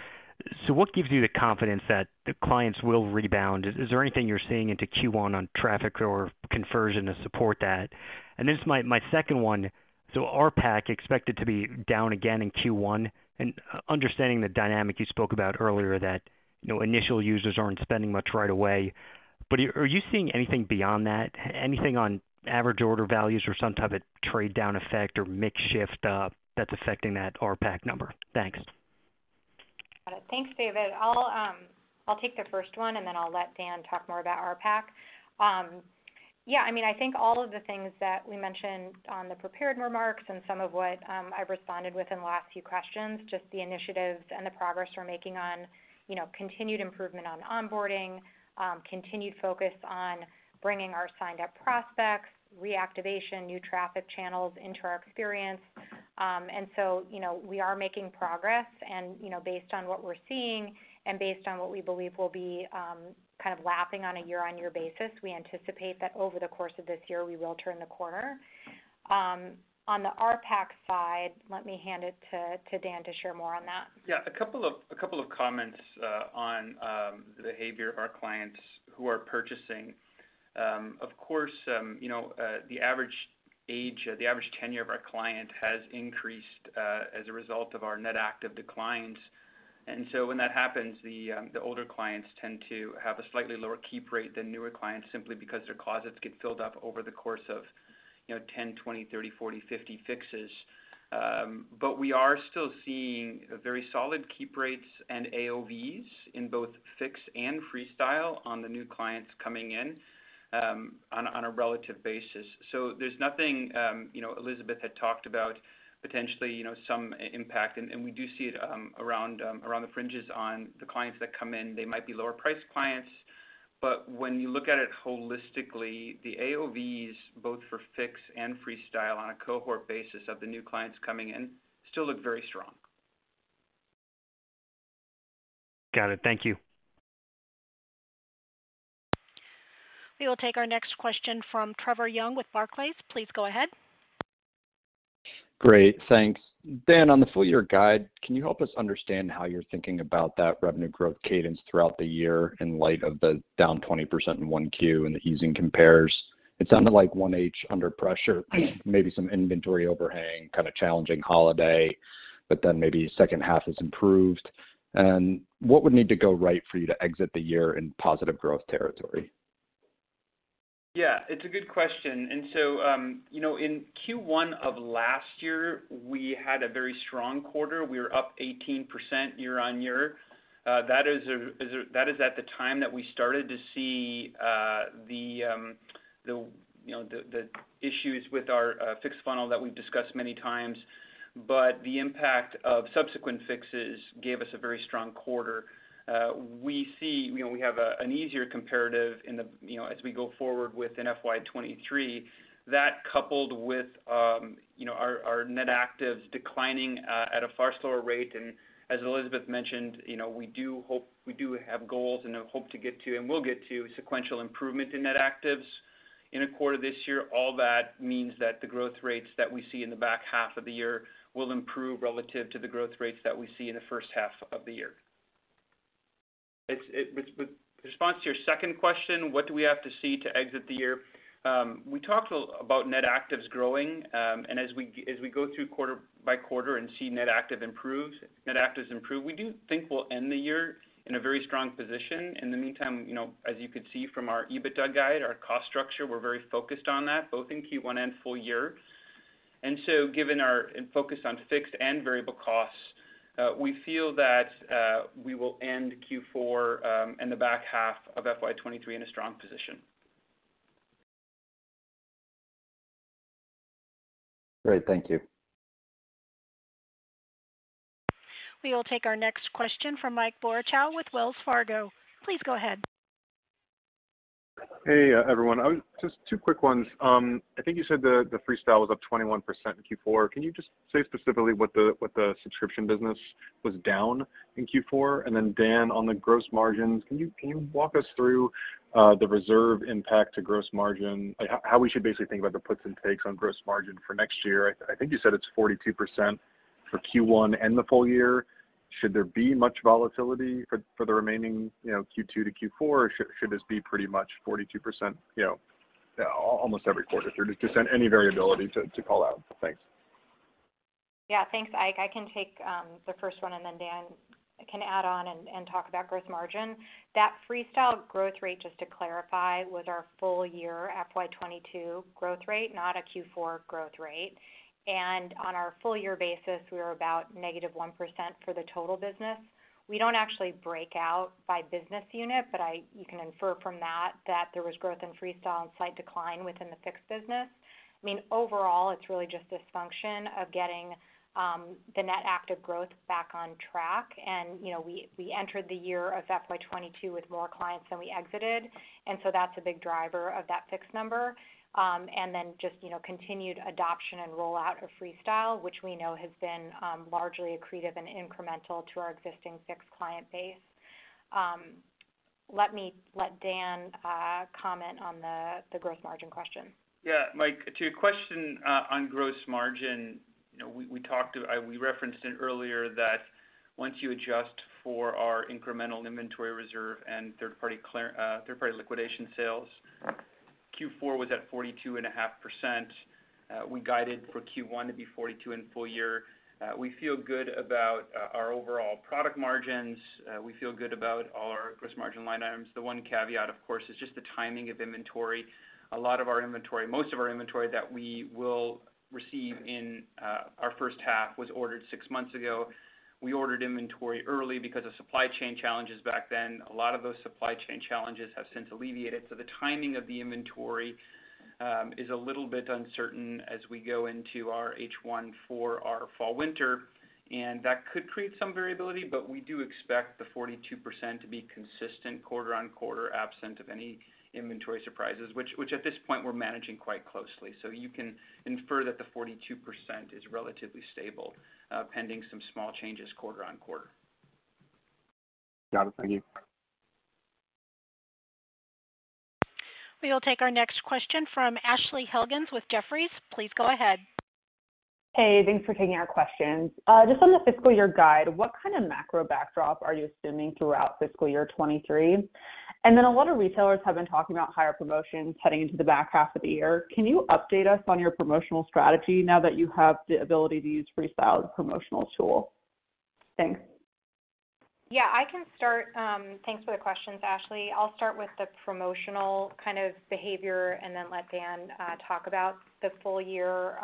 What gives you the confidence that the clients will rebound? Is there anything you're seeing into Q1 on traffic or conversion to support that? This is my second one. RPAC expected to be down again in Q1 and understanding the dynamic you spoke about earlier that, you know, initial users aren't spending much right away. But are you seeing anything beyond that? Anything on average order values or some type of trade down effect or mix shift, that's affecting that RPAC number? Thanks. Got it. Thanks, David. I'll take the first one, and then I'll let Dan talk more about RPAC. Yeah, I mean, I think all of the things that we mentioned on the prepared remarks and some of what I've responded with in the last few questions, just the initiatives and the progress we're making on, you know, continued improvement on onboarding, continued focus on bringing our signed-up prospects, reactivation, new traffic channels into our experience. You know, we are making progress and, you know, based on what we're seeing and based on what we believe will be, kind of lapping on a year-on-year basis, we anticipate that over the course of this year, we will turn the corner. On the RPAC side, let me hand it to Dan to share more on that. Yeah, a couple of comments on the behavior of our clients who are purchasing. Of course, you know, the average age, the average tenure of our client has increased as a result of our net active declines. When that happens, the older clients tend to have a slightly lower keep rate than newer clients simply because their closets get filled up over the course of, you know, 10, 20, 30, 40, 50 fixes. But we are still seeing very solid keep rates and AOVs in both Fix and Freestyle on the new clients coming in on a relative basis. There's nothing, you know, Elizabeth had talked about potentially, you know, some AI impact, and we do see it around the fringes on the clients that come in. They might be lower priced clients, but when you look at it holistically, the AOVs both for Fix and Freestyle on a cohort basis of the new clients coming in still look very strong. Got it. Thank you. We will take our next question from Trevor Young with Barclays. Please go ahead. Great. Thanks. Dan, on the full-year guide, can you help us understand how you're thinking about that revenue growth cadence throughout the year in light of the down 20% in 1Q and the easing compares? It sounded like 1H under pressure, maybe some inventory overhang, kind of challenging holiday, but then maybe second half is improved. What would need to go right for you to exit the year in positive growth territory? Yeah, it's a good question. You know, in Q1 of last year, we had a very strong quarter. We were up 18% year-on-year. That is at the time that we started to see the issues with our Fix funnel that we've discussed many times. The impact of subsequent fixes gave us a very strong quarter. We see we have an easier comparative as we go forward within FY 2023. That coupled with our net actives declining at a far slower rate. As Elizabeth mentioned, we do have goals and hope to get to and will get to sequential improvement in net actives in a quarter this year. All that means that the growth rates that we see in the back half of the year will improve relative to the growth rates that we see in the first half of the year. In response to your second question, what do we have to see to exit the year? We talked a little about net actives growing. As we go through quarter by quarter and see net actives improve, we do think we'll end the year in a very strong position. In the meantime, you know, as you could see from our EBITDA guide, our cost structure, we're very focused on that, both in Q1 and full year. Given our focus on fixed and variable costs, we feel that we will end Q4 and the back half of FY 2023 in a strong position. Great. Thank you. We will take our next question from Ike Boruchow with Wells Fargo. Please go ahead. Hey, everyone. Just two quick ones. I think you said the Freestyle was up 21% in Q4. Can you just say specifically what the subscription business was down in Q4? Dan, on the gross margins, can you walk us through the reserve impact to gross margin? Like how we should basically think about the puts and takes on gross margin for next year. I think you said it's 42% for Q1 and the full-year. Should there be much volatility for the remaining, you know, Q2 to Q4, or should this be pretty much 42%, you know, almost every quarter? If there's just any variability to call out. Thanks. Yeah. Thanks, Ike. I can take the first one, and then Dan can add on and talk about gross margin. That Freestyle growth rate, just to clarify, was our full-year FY 2022 growth rate, not a Q4 growth rate. On our full-year basis, we were about -1% for the total business. We don't actually break out by business unit, but you can infer from that there was growth in Freestyle and slight decline within the Fix business. I mean, overall, it's really just this function of getting the net active growth back on track. You know, we entered the year of FY 2022 with more clients than we exited, and so that's a big driver of that Fix number. Just, you know, continued adoption and rollout of Freestyle, which we know has been largely accretive and incremental to our existing Fix client base. Let me let Dan comment on the growth margin question. Yeah. Ike, to your question on gross margin, you know, we talked, we referenced it earlier that once you adjust for our incremental inventory reserve and third-party liquidation sales, Q4 was at 42.5%. We guided for Q1 to be 42% in full-year. We feel good about our overall product margins. We feel good about all our gross margin line items. The one caveat, of course, is just the timing of inventory. A lot of our inventory, most of our inventory that we will receive in our first half was ordered six months ago. We ordered inventory early because of supply chain challenges back then. A lot of those supply chain challenges have since alleviated. The timing of the inventory is a little bit uncertain as we go into our H1 for our fall/winter, and that could create some variability, but we do expect the 42% to be consistent quarter on quarter, absent of any inventory surprises, which at this point we're managing quite closely. You can infer that the 42% is relatively stable, pending some small changes quarter on quarter. Got it. Thank you. We will take our next question from Ashley Helgans with Jefferies. Please go ahead. Hey, thanks for taking our questions. Just on the fiscal year guide, what kind of macro backdrop are you assuming throughout fiscal year 2023? A lot of retailers have been talking about higher promotions heading into the back half of the year. Can you update us on your promotional strategy now that you have the ability to use Freestyle as a promotional tool? Thanks. Yeah, I can start. Thanks for the questions, Ashley. I'll start with the promotional kind of behavior and then let Dan talk about the full year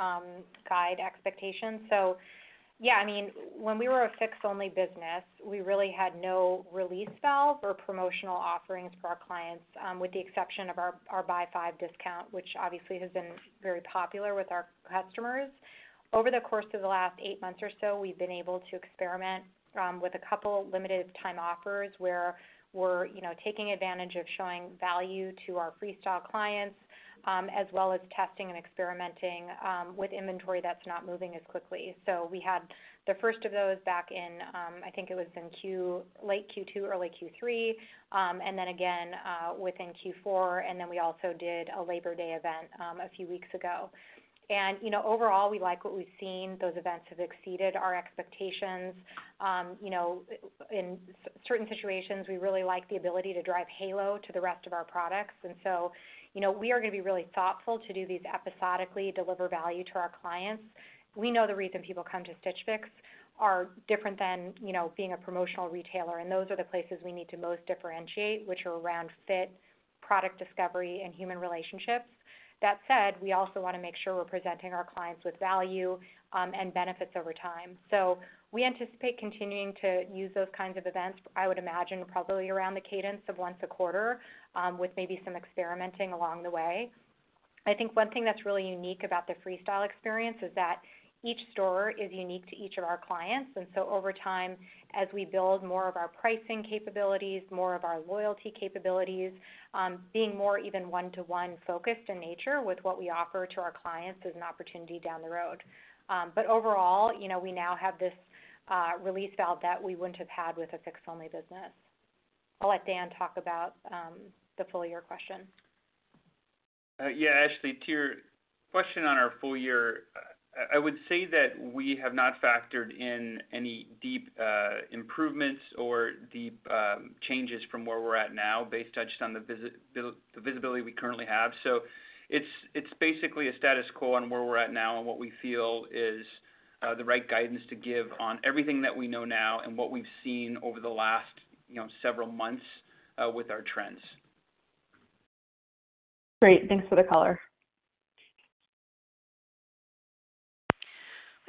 guide expectations. Yeah, I mean, when we were a Fix-only business, we really had no release valve or promotional offerings for our clients, with the exception of our buy five discount, which obviously has been very popular with our customers. Over the course of the last eight months or so, we've been able to experiment with a couple limited time offers where we're, you know, taking advantage of showing value to our Freestyle clients, as well as testing and experimenting with inventory that's not moving as quickly. We had the first of those back in, I think it was in Q. Late Q2, early Q3, and then again within Q4, and then we also did a Labor Day event a few weeks ago. You know, overall, we like what we've seen. Those events have exceeded our expectations. You know, in certain situations, we really like the ability to drive halo to the rest of our products. You know, we are gonna be really thoughtful to do these episodically, deliver value to our clients. We know the reason people come to Stitch Fix are different than, you know, being a promotional retailer, and those are the places we need to most differentiate, which are around fit, product discovery, and human relationships. That said, we also wanna make sure we're presenting our clients with value and benefits over time. We anticipate continuing to use those kinds of events, I would imagine probably around the cadence of once a quarter, with maybe some experimenting along the way. I think one thing that's really unique about the Freestyle experience is that each store is unique to each of our clients. Over time, as we build more of our pricing capabilities, more of our loyalty capabilities, being more even one-to-one focused in nature with what we offer to our clients is an opportunity down the road. But overall, you know, we now have this, release valve that we wouldn't have had with a Fix-only business. I'll let Dan talk about the full year question. Yeah, Ashley, to your question on our full-year, I would say that we have not factored in any deep improvements or deep changes from where we're at now based just on the visibility we currently have. It's basically a status quo on where we're at now and what we feel is the right guidance to give on everything that we know now and what we've seen over the last, you know, several months with our trends. Great. Thanks for the color.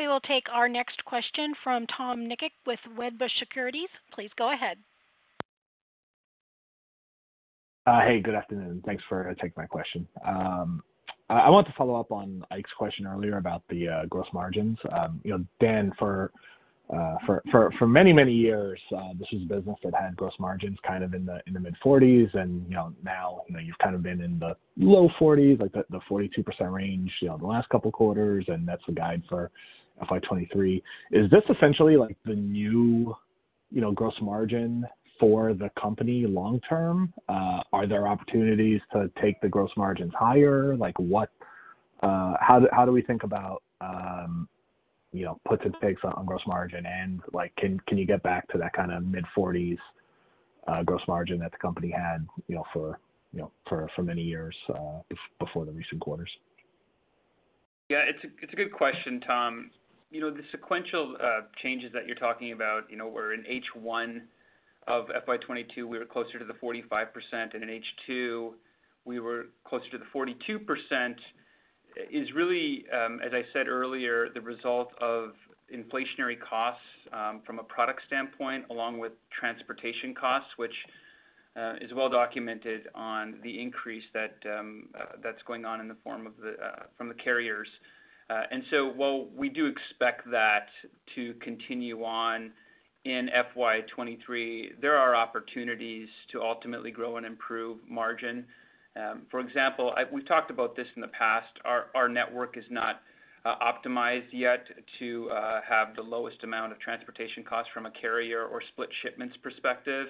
We will take our next question from Tom Nikic with Wedbush Securities. Please go ahead. Hey, good afternoon. Thanks for taking my question. I want to follow up on Ike's question earlier about the gross margins. You know, Dan, for many years, this is a business that had gross margins kind of in the mid-40s% and, you know, now, you know, you've kind of been in the low 40s%, like the 42% range, you know, the last couple quarters, and that's the guide for FY 2023. Is this essentially like the new, you know, gross margin for the company long term? Are there opportunities to take the gross margins higher? How do we think about, you know, puts and takes on gross margin and like, can you get back to that kinda mid-40s% gross margin that the company had, you know, for many years before the recent quarters? Yeah, it's a good question, Tom. You know, the sequential changes that you're talking about, you know, where in H1 of FY 2022 we were closer to the 45%, and in H2 we were closer to the 42% is really, as I said earlier, the result of inflationary costs, from a product standpoint, along with transportation costs, which is well documented on the increase that's going on in the form of the, from the carriers. While we do expect that to continue on in FY 2023, there are opportunities to ultimately grow and improve margin. For example, we've talked about this in the past, our network is not optimized yet to have the lowest amount of transportation costs from a carrier or split shipments perspective.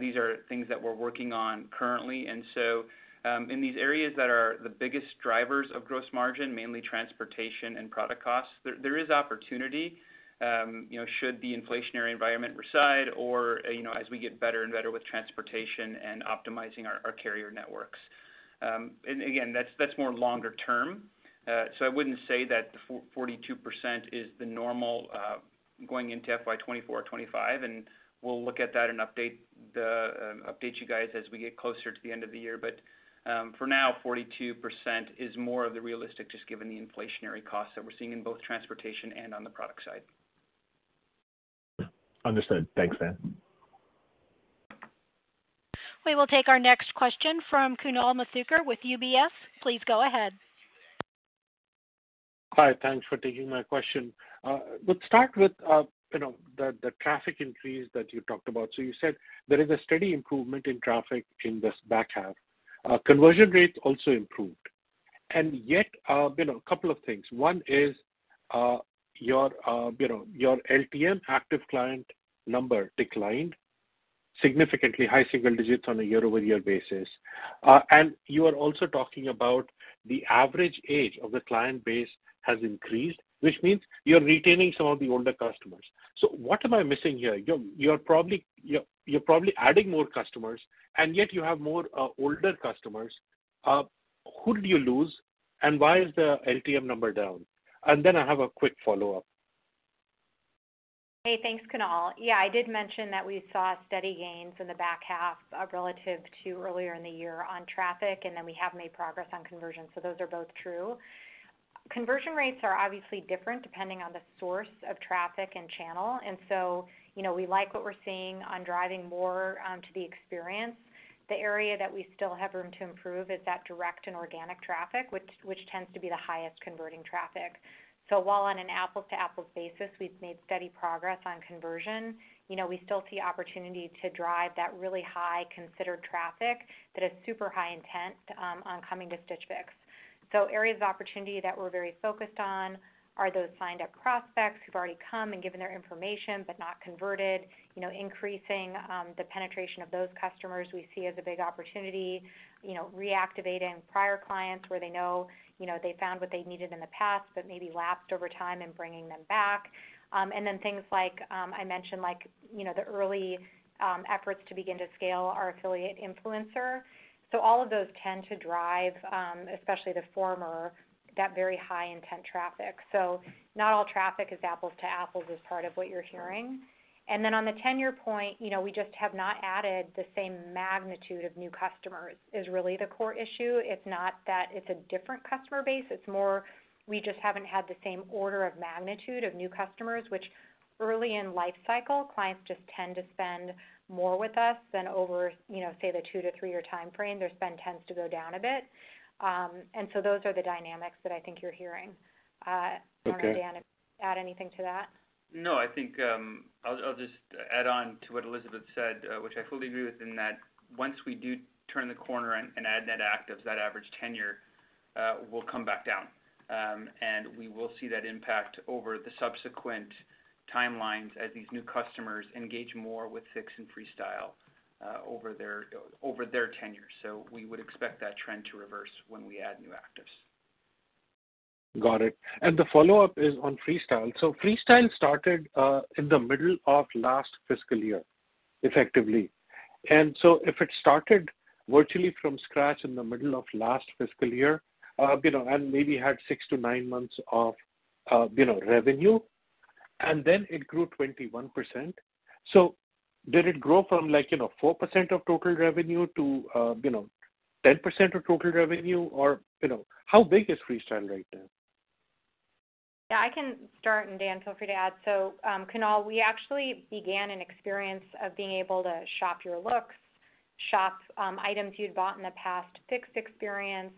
These are things that we're working on currently. In these areas that are the biggest drivers of gross margin, mainly transportation and product costs, there is opportunity, you know, should the inflationary environment reside or, you know, as we get better and better with transportation and optimizing our carrier networks. Again, that's more longer term. I wouldn't say that the 42% is the normal going into FY 2024, 2025, and we'll look at that and update you guys as we get closer to the end of the year. For now, 42% is more of the realistic, just given the inflationary costs that we're seeing in both transportation and on the product side. Understood. Thanks, Dan. We will take our next question from Kunal Madhukar with UBS. Please go ahead. Hi. Thanks for taking my question. Let's start with, you know, the traffic increase that you talked about. You said there is a steady improvement in traffic in this back half. Conversion rates also improved. Yet, you know, a couple of things. One is, your, you know, your LTM active client number declined significantly high single digits on a year-over-year basis. You are also talking about the average age of the client base has increased, which means you're retaining some of the older customers. What am I missing here? You're probably adding more customers, and yet you have more older customers. Who do you lose, and why is the LTM number down? Then I have a quick follow-up. Hey, thanks, Kunal. Yeah, I did mention that we saw steady gains in the back half relative to earlier in the year on traffic, and then we have made progress on conversion, so those are both true. Conversion rates are obviously different depending on the source of traffic and channel. You know, we like what we're seeing on driving more to the experience. The area that we still have room to improve is that direct and organic traffic, which tends to be the highest converting traffic. While on an apples-to-apples basis, we've made steady progress on conversion, you know, we still see opportunity to drive that really high considered traffic that is super high intent on coming to Stitch Fix. Areas of opportunity that we're very focused on are those signed-up prospects who've already come and given their information but not converted. You know, increasing the penetration of those customers we see as a big opportunity. You know, reactivating prior clients where they know, you know, they found what they needed in the past, but maybe lapsed over time and bringing them back. Things like, I mentioned like, you know, the early efforts to begin to scale our affiliate influencer. All of those tend to drive, especially the former, that very high intent traffic. Not all traffic is apples to apples as part of what you're hearing. On the tenure point, you know, we just have not added the same magnitude of new customers is really the core issue. It's not that it's a different customer base, it's more we just haven't had the same order of magnitude of new customers, which early in life cycle, clients just tend to spend more with us than over, you know, say the two to three-year timeframe, their spend tends to go down a bit. Those are the dynamics that I think you're hearing. Okay. I don't know, Dan, if you want to add anything to that. No, I think, I'll just add on to what Elizabeth said, which I fully agree with, in that once we do turn the corner and add net actives, that average tenure will come back down. We will see that impact over the subsequent timelines as these new customers engage more with Fix and Freestyle over their tenure. We would expect that trend to reverse when we add new actives. Got it. The follow-up is on Freestyle. Freestyle started in the middle of last fiscal year, effectively. If it started virtually from scratch in the middle of last fiscal year, you know, and maybe had six to nine months of, you know, revenue, and then it grew 21%. Did it grow from like, you know, 4% of total revenue to, you know, 10% of total revenue? Or, you know, how big is Freestyle right now? Yeah, I can start, and Dan, feel free to add. Kunal, we actually began an experience of being able to shop your looks, shop items you'd bought in the past, Fix experience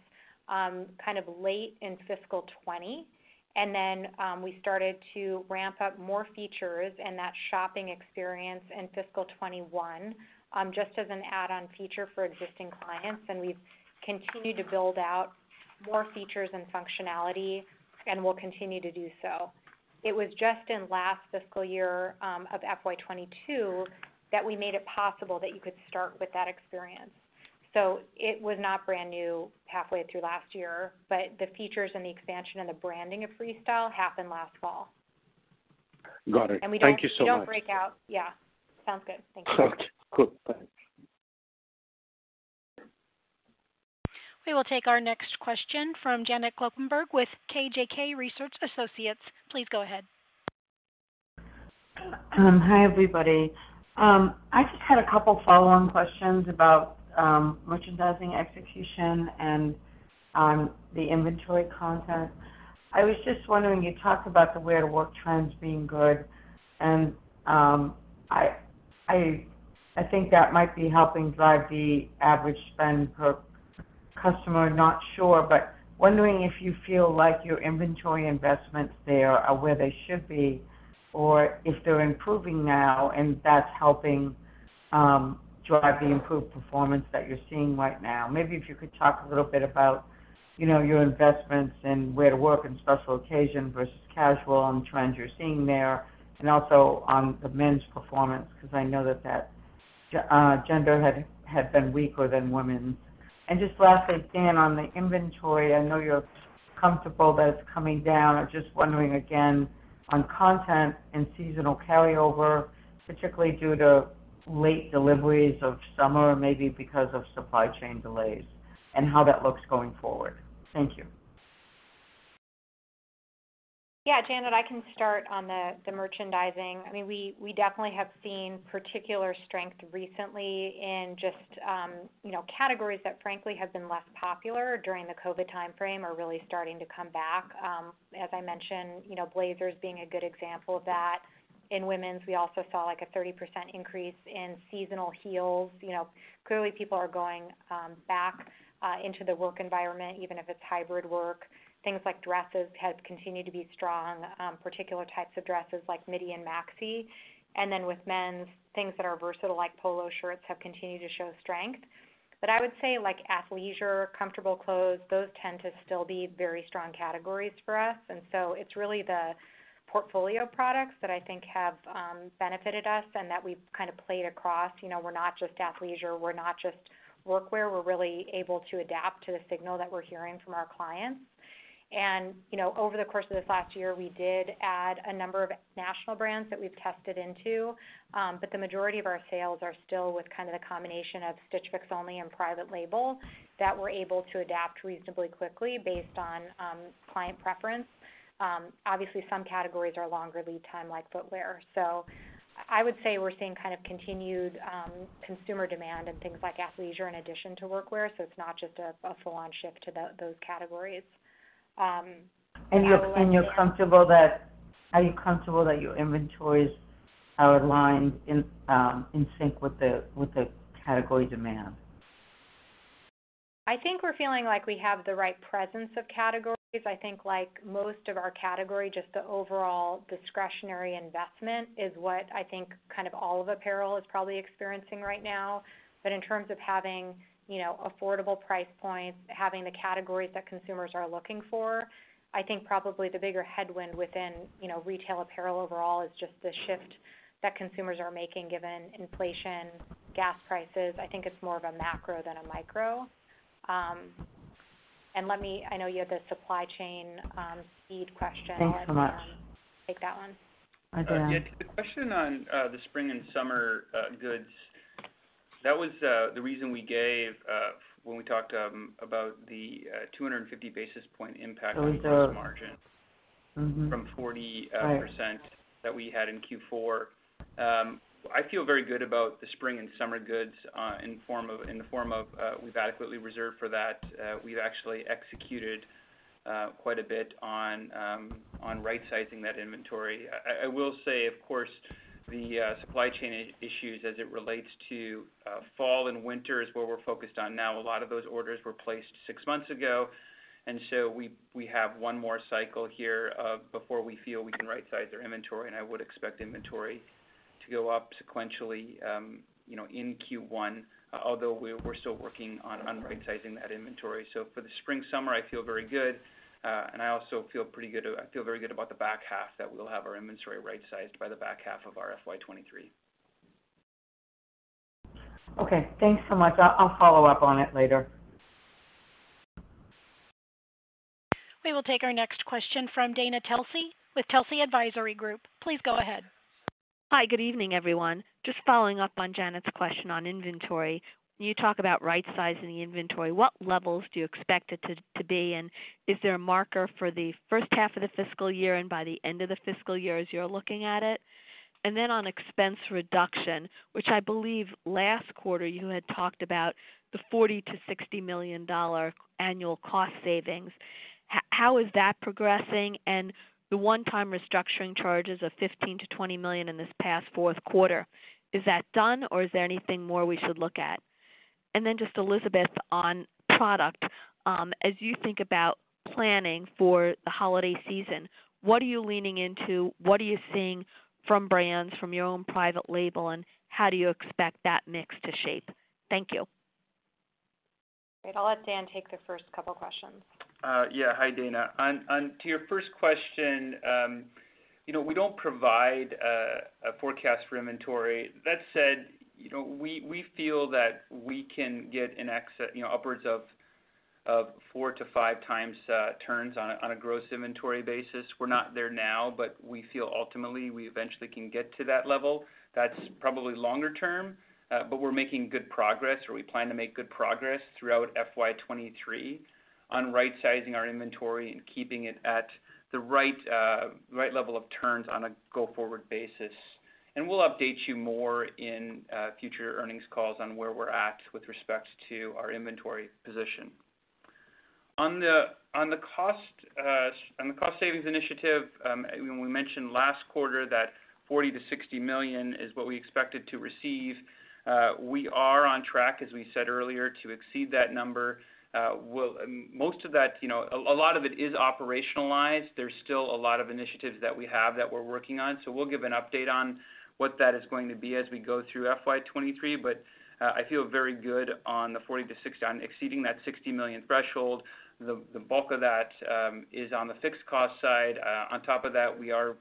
kind of late in fiscal 2020. We started to ramp up more features in that shopping experience in fiscal 2021 just as an add-on feature for existing clients, and we've continued to build out more features and functionality, and we'll continue to do so. It was just in last fiscal year of FY 2022 that we made it possible that you could start with that experience. It was not brand new halfway through last year, but the features and the expansion and the branding of Freestyle happened last fall. Got it. Thank you so much. Yeah. Sounds good. Thank you. Sounds good. Bye. We will take our next question from Janet Kloppenburg with JJK Research Associates. Please go ahead. Hi, everybody. I just had a couple follow-on questions about merchandising execution and the inventory content. I was just wondering, you talked about the wear-to-work trends being good, and I think that might be helping drive the average spend per customer. Not sure. But wondering if you feel like your inventory investments there are where they should be, or if they're improving now, and that's helping drive the improved performance that you're seeing right now. Maybe if you could talk a little bit about, you know, your investments in wear-to-work and special occasion versus casual and trends you're seeing there, and also on the men's performance, because I know that gender had been weaker than women's. Just lastly, Dan, on the inventory, I know you're comfortable that it's coming down. I'm just wondering again on content and seasonal carryover, particularly due to late deliveries of summer, maybe because of supply chain delays and how that looks going forward. Thank you. Yeah. Janet, I can start on the merchandising. I mean, we definitely have seen particular strength recently in just you know categories that frankly have been less popular during the COVID timeframe are really starting to come back. As I mentioned, you know, blazers being a good example of that. In women's, we also saw, like, a 30% increase in seasonal heels. You know, clearly people are going back into the work environment, even if it's hybrid work. Things like dresses has continued to be strong particular types of dresses like midi and maxi. Then with men's, things that are versatile, like polo shirts, have continued to show strength. But I would say, like, athleisure, comfortable clothes, those tend to still be very strong categories for us. It's really the portfolio of products that I think have benefited us and that we've kind of played across. You know, we're not just athleisure, we're not just work wear. We're really able to adapt to the signal that we're hearing from our clients. You know, over the course of this last year, we did add a number of national brands that we've tested into, but the majority of our sales are still with kind of the combination of Stitch Fix only and private label that we're able to adapt reasonably quickly based on client preference. Obviously, some categories are longer lead time, like footwear. I would say we're seeing kind of continued consumer demand in things like athleisure in addition to work wear. It's not just a full-on shift to those categories. Are you comfortable that your inventories are aligned in sync with the category demand? I think we're feeling like we have the right presence of categories. I think like most of our category, just the overall discretionary investment is what I think kind of all of apparel is probably experiencing right now. In terms of having, you know, affordable price points, having the categories that consumers are looking for, I think probably the bigger headwind within, you know, retail apparel overall is just the shift that consumers are making given inflation, gas prices. I think it's more of a macro than a micro. I know you had the supply chain speed question. Thanks so much. I'll let Dan take that one. Hi, Dan. Yeah. The question on the spring and summer goods, that was the reason we gave when we talked about the 250 basis point impact. Oh, it's. on the gross margin. From 40 Right percent that we had in Q4. I feel very good about the spring and summer goods. We've adequately reserved for that. We've actually executed quite a bit on right-sizing that inventory. I will say, of course, the supply chain issues as it relates to fall and winter is where we're focused on now. A lot of those orders were placed six months ago, and so we have one more cycle here before we feel we can right-size our inventory, and I would expect inventory to go up sequentially, you know, in Q1, although we're still working on right-sizing that inventory. For the spring/summer, I feel very good, and I also feel pretty good. I feel very good about the back half, that we'll have our inventory right-sized by the back half of our FY 23. Okay. Thanks so much. I'll follow up on it later. We will take our next question from Dana Telsey with Telsey Advisory Group. Please go ahead. Hi. Good evening, everyone. Just following up on Janet's question on inventory. When you talk about right-sizing the inventory, what levels do you expect it to be, and is there a marker for the first half of the fiscal year and by the end of the fiscal year as you're looking at it? Then on expense reduction, which I believe last quarter you had talked about the $40 million-$60 million annual cost savings. How is that progressing? Then the one-time restructuring charges of $15 million-$20 million in this past fourth quarter, is that done or is there anything more we should look at? Then just Elizabeth, on product, as you think about planning for the holiday season, what are you leaning into? What are you seeing from brands, from your own private label, and how do you expect that mix to shape? Thank you. Great. I'll let Dan take the first couple questions. Yeah. Hi, Dana. To your first question, you know, we don't provide a forecast for inventory. That said, you know, we feel that we can get upwards of 4x-5x turns on a gross inventory basis. We're not there now, but we feel ultimately we eventually can get to that level. That's probably longer term, but we're making good progress, or we plan to make good progress throughout FY 2023 on rightsizing our inventory and keeping it at the right level of turns on a go-forward basis. We'll update you more in future earnings calls on where we're at with respect to our inventory position. On the cost savings initiative, you know, we mentioned last quarter that $40 million-$60 million is what we expected to receive. We are on track, as we said earlier, to exceed that number. Most of that, you know, a lot of it is operationalized. There's still a lot of initiatives that we have that we're working on, so we'll give an update on what that is going to be as we go through FY 2023. I feel very good on the $40 million to $60 million, on exceeding that $60 million threshold. The bulk of that is on the fixed cost side. On top of that, we are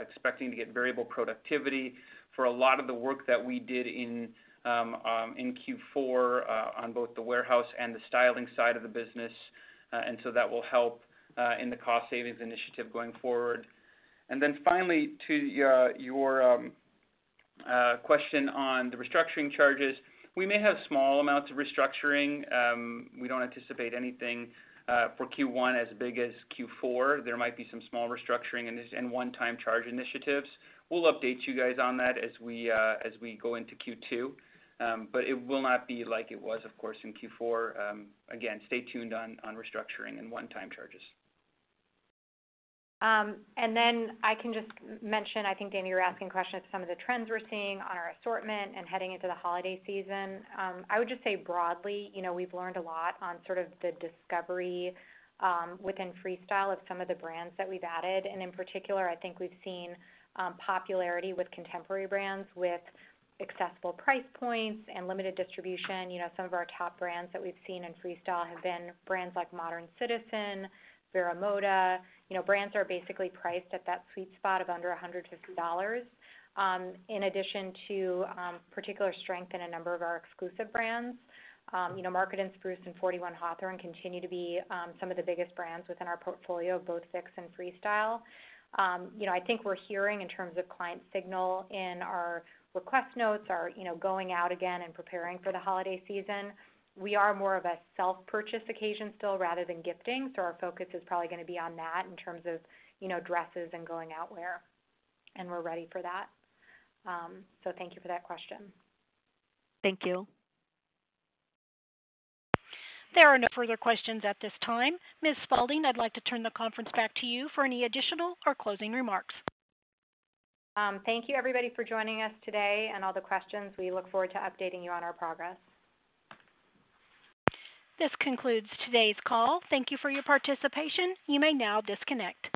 expecting to get variable productivity for a lot of the work that we did in Q4 on both the warehouse and the styling side of the business. That will help in the cost savings initiative going forward. Finally, to your question on the restructuring charges, we may have small amounts of restructuring. We don't anticipate anything for Q1 as big as Q4. There might be some small restructuring and one-time charge initiatives. We'll update you guys on that as we go into Q2. It will not be like it was, of course, in Q4. Again, stay tuned on restructuring and one-time charges. I can just mention, I think, Dana, you were asking a question of some of the trends we're seeing on our assortment and heading into the holiday season. I would just say broadly, you know, we've learned a lot on sort of the discovery within Freestyle of some of the brands that we've added. In particular, I think we've seen popularity with contemporary brands with accessible price points and limited distribution. You know, some of our top brands that we've seen in Freestyle have been brands like Modern Citizen, VERO MODA, you know, brands that are basically priced at that sweet spot of under $150, in addition to particular strength in a number of our exclusive brands. You know, Market & Spruce and 41 Hawthorn continue to be some of the biggest brands within our portfolio of both Fix and Freestyle. You know, I think we're hearing in terms of client signal in our request notes are, you know, going out again and preparing for the holiday season. We are more of a self-purchase occasion still rather than gifting, so our focus is probably gonna be on that in terms of, you know, dresses and going out wear, and we're ready for that. Thank you for that question. Thank you. There are no further questions at this time. Ms. Spaulding, I'd like to turn the conference back to you for any additional or closing remarks. Thank you everybody for joining us today and all the questions. We look forward to updating you on our progress. This concludes today's call. Thank you for your participation. You may now disconnect.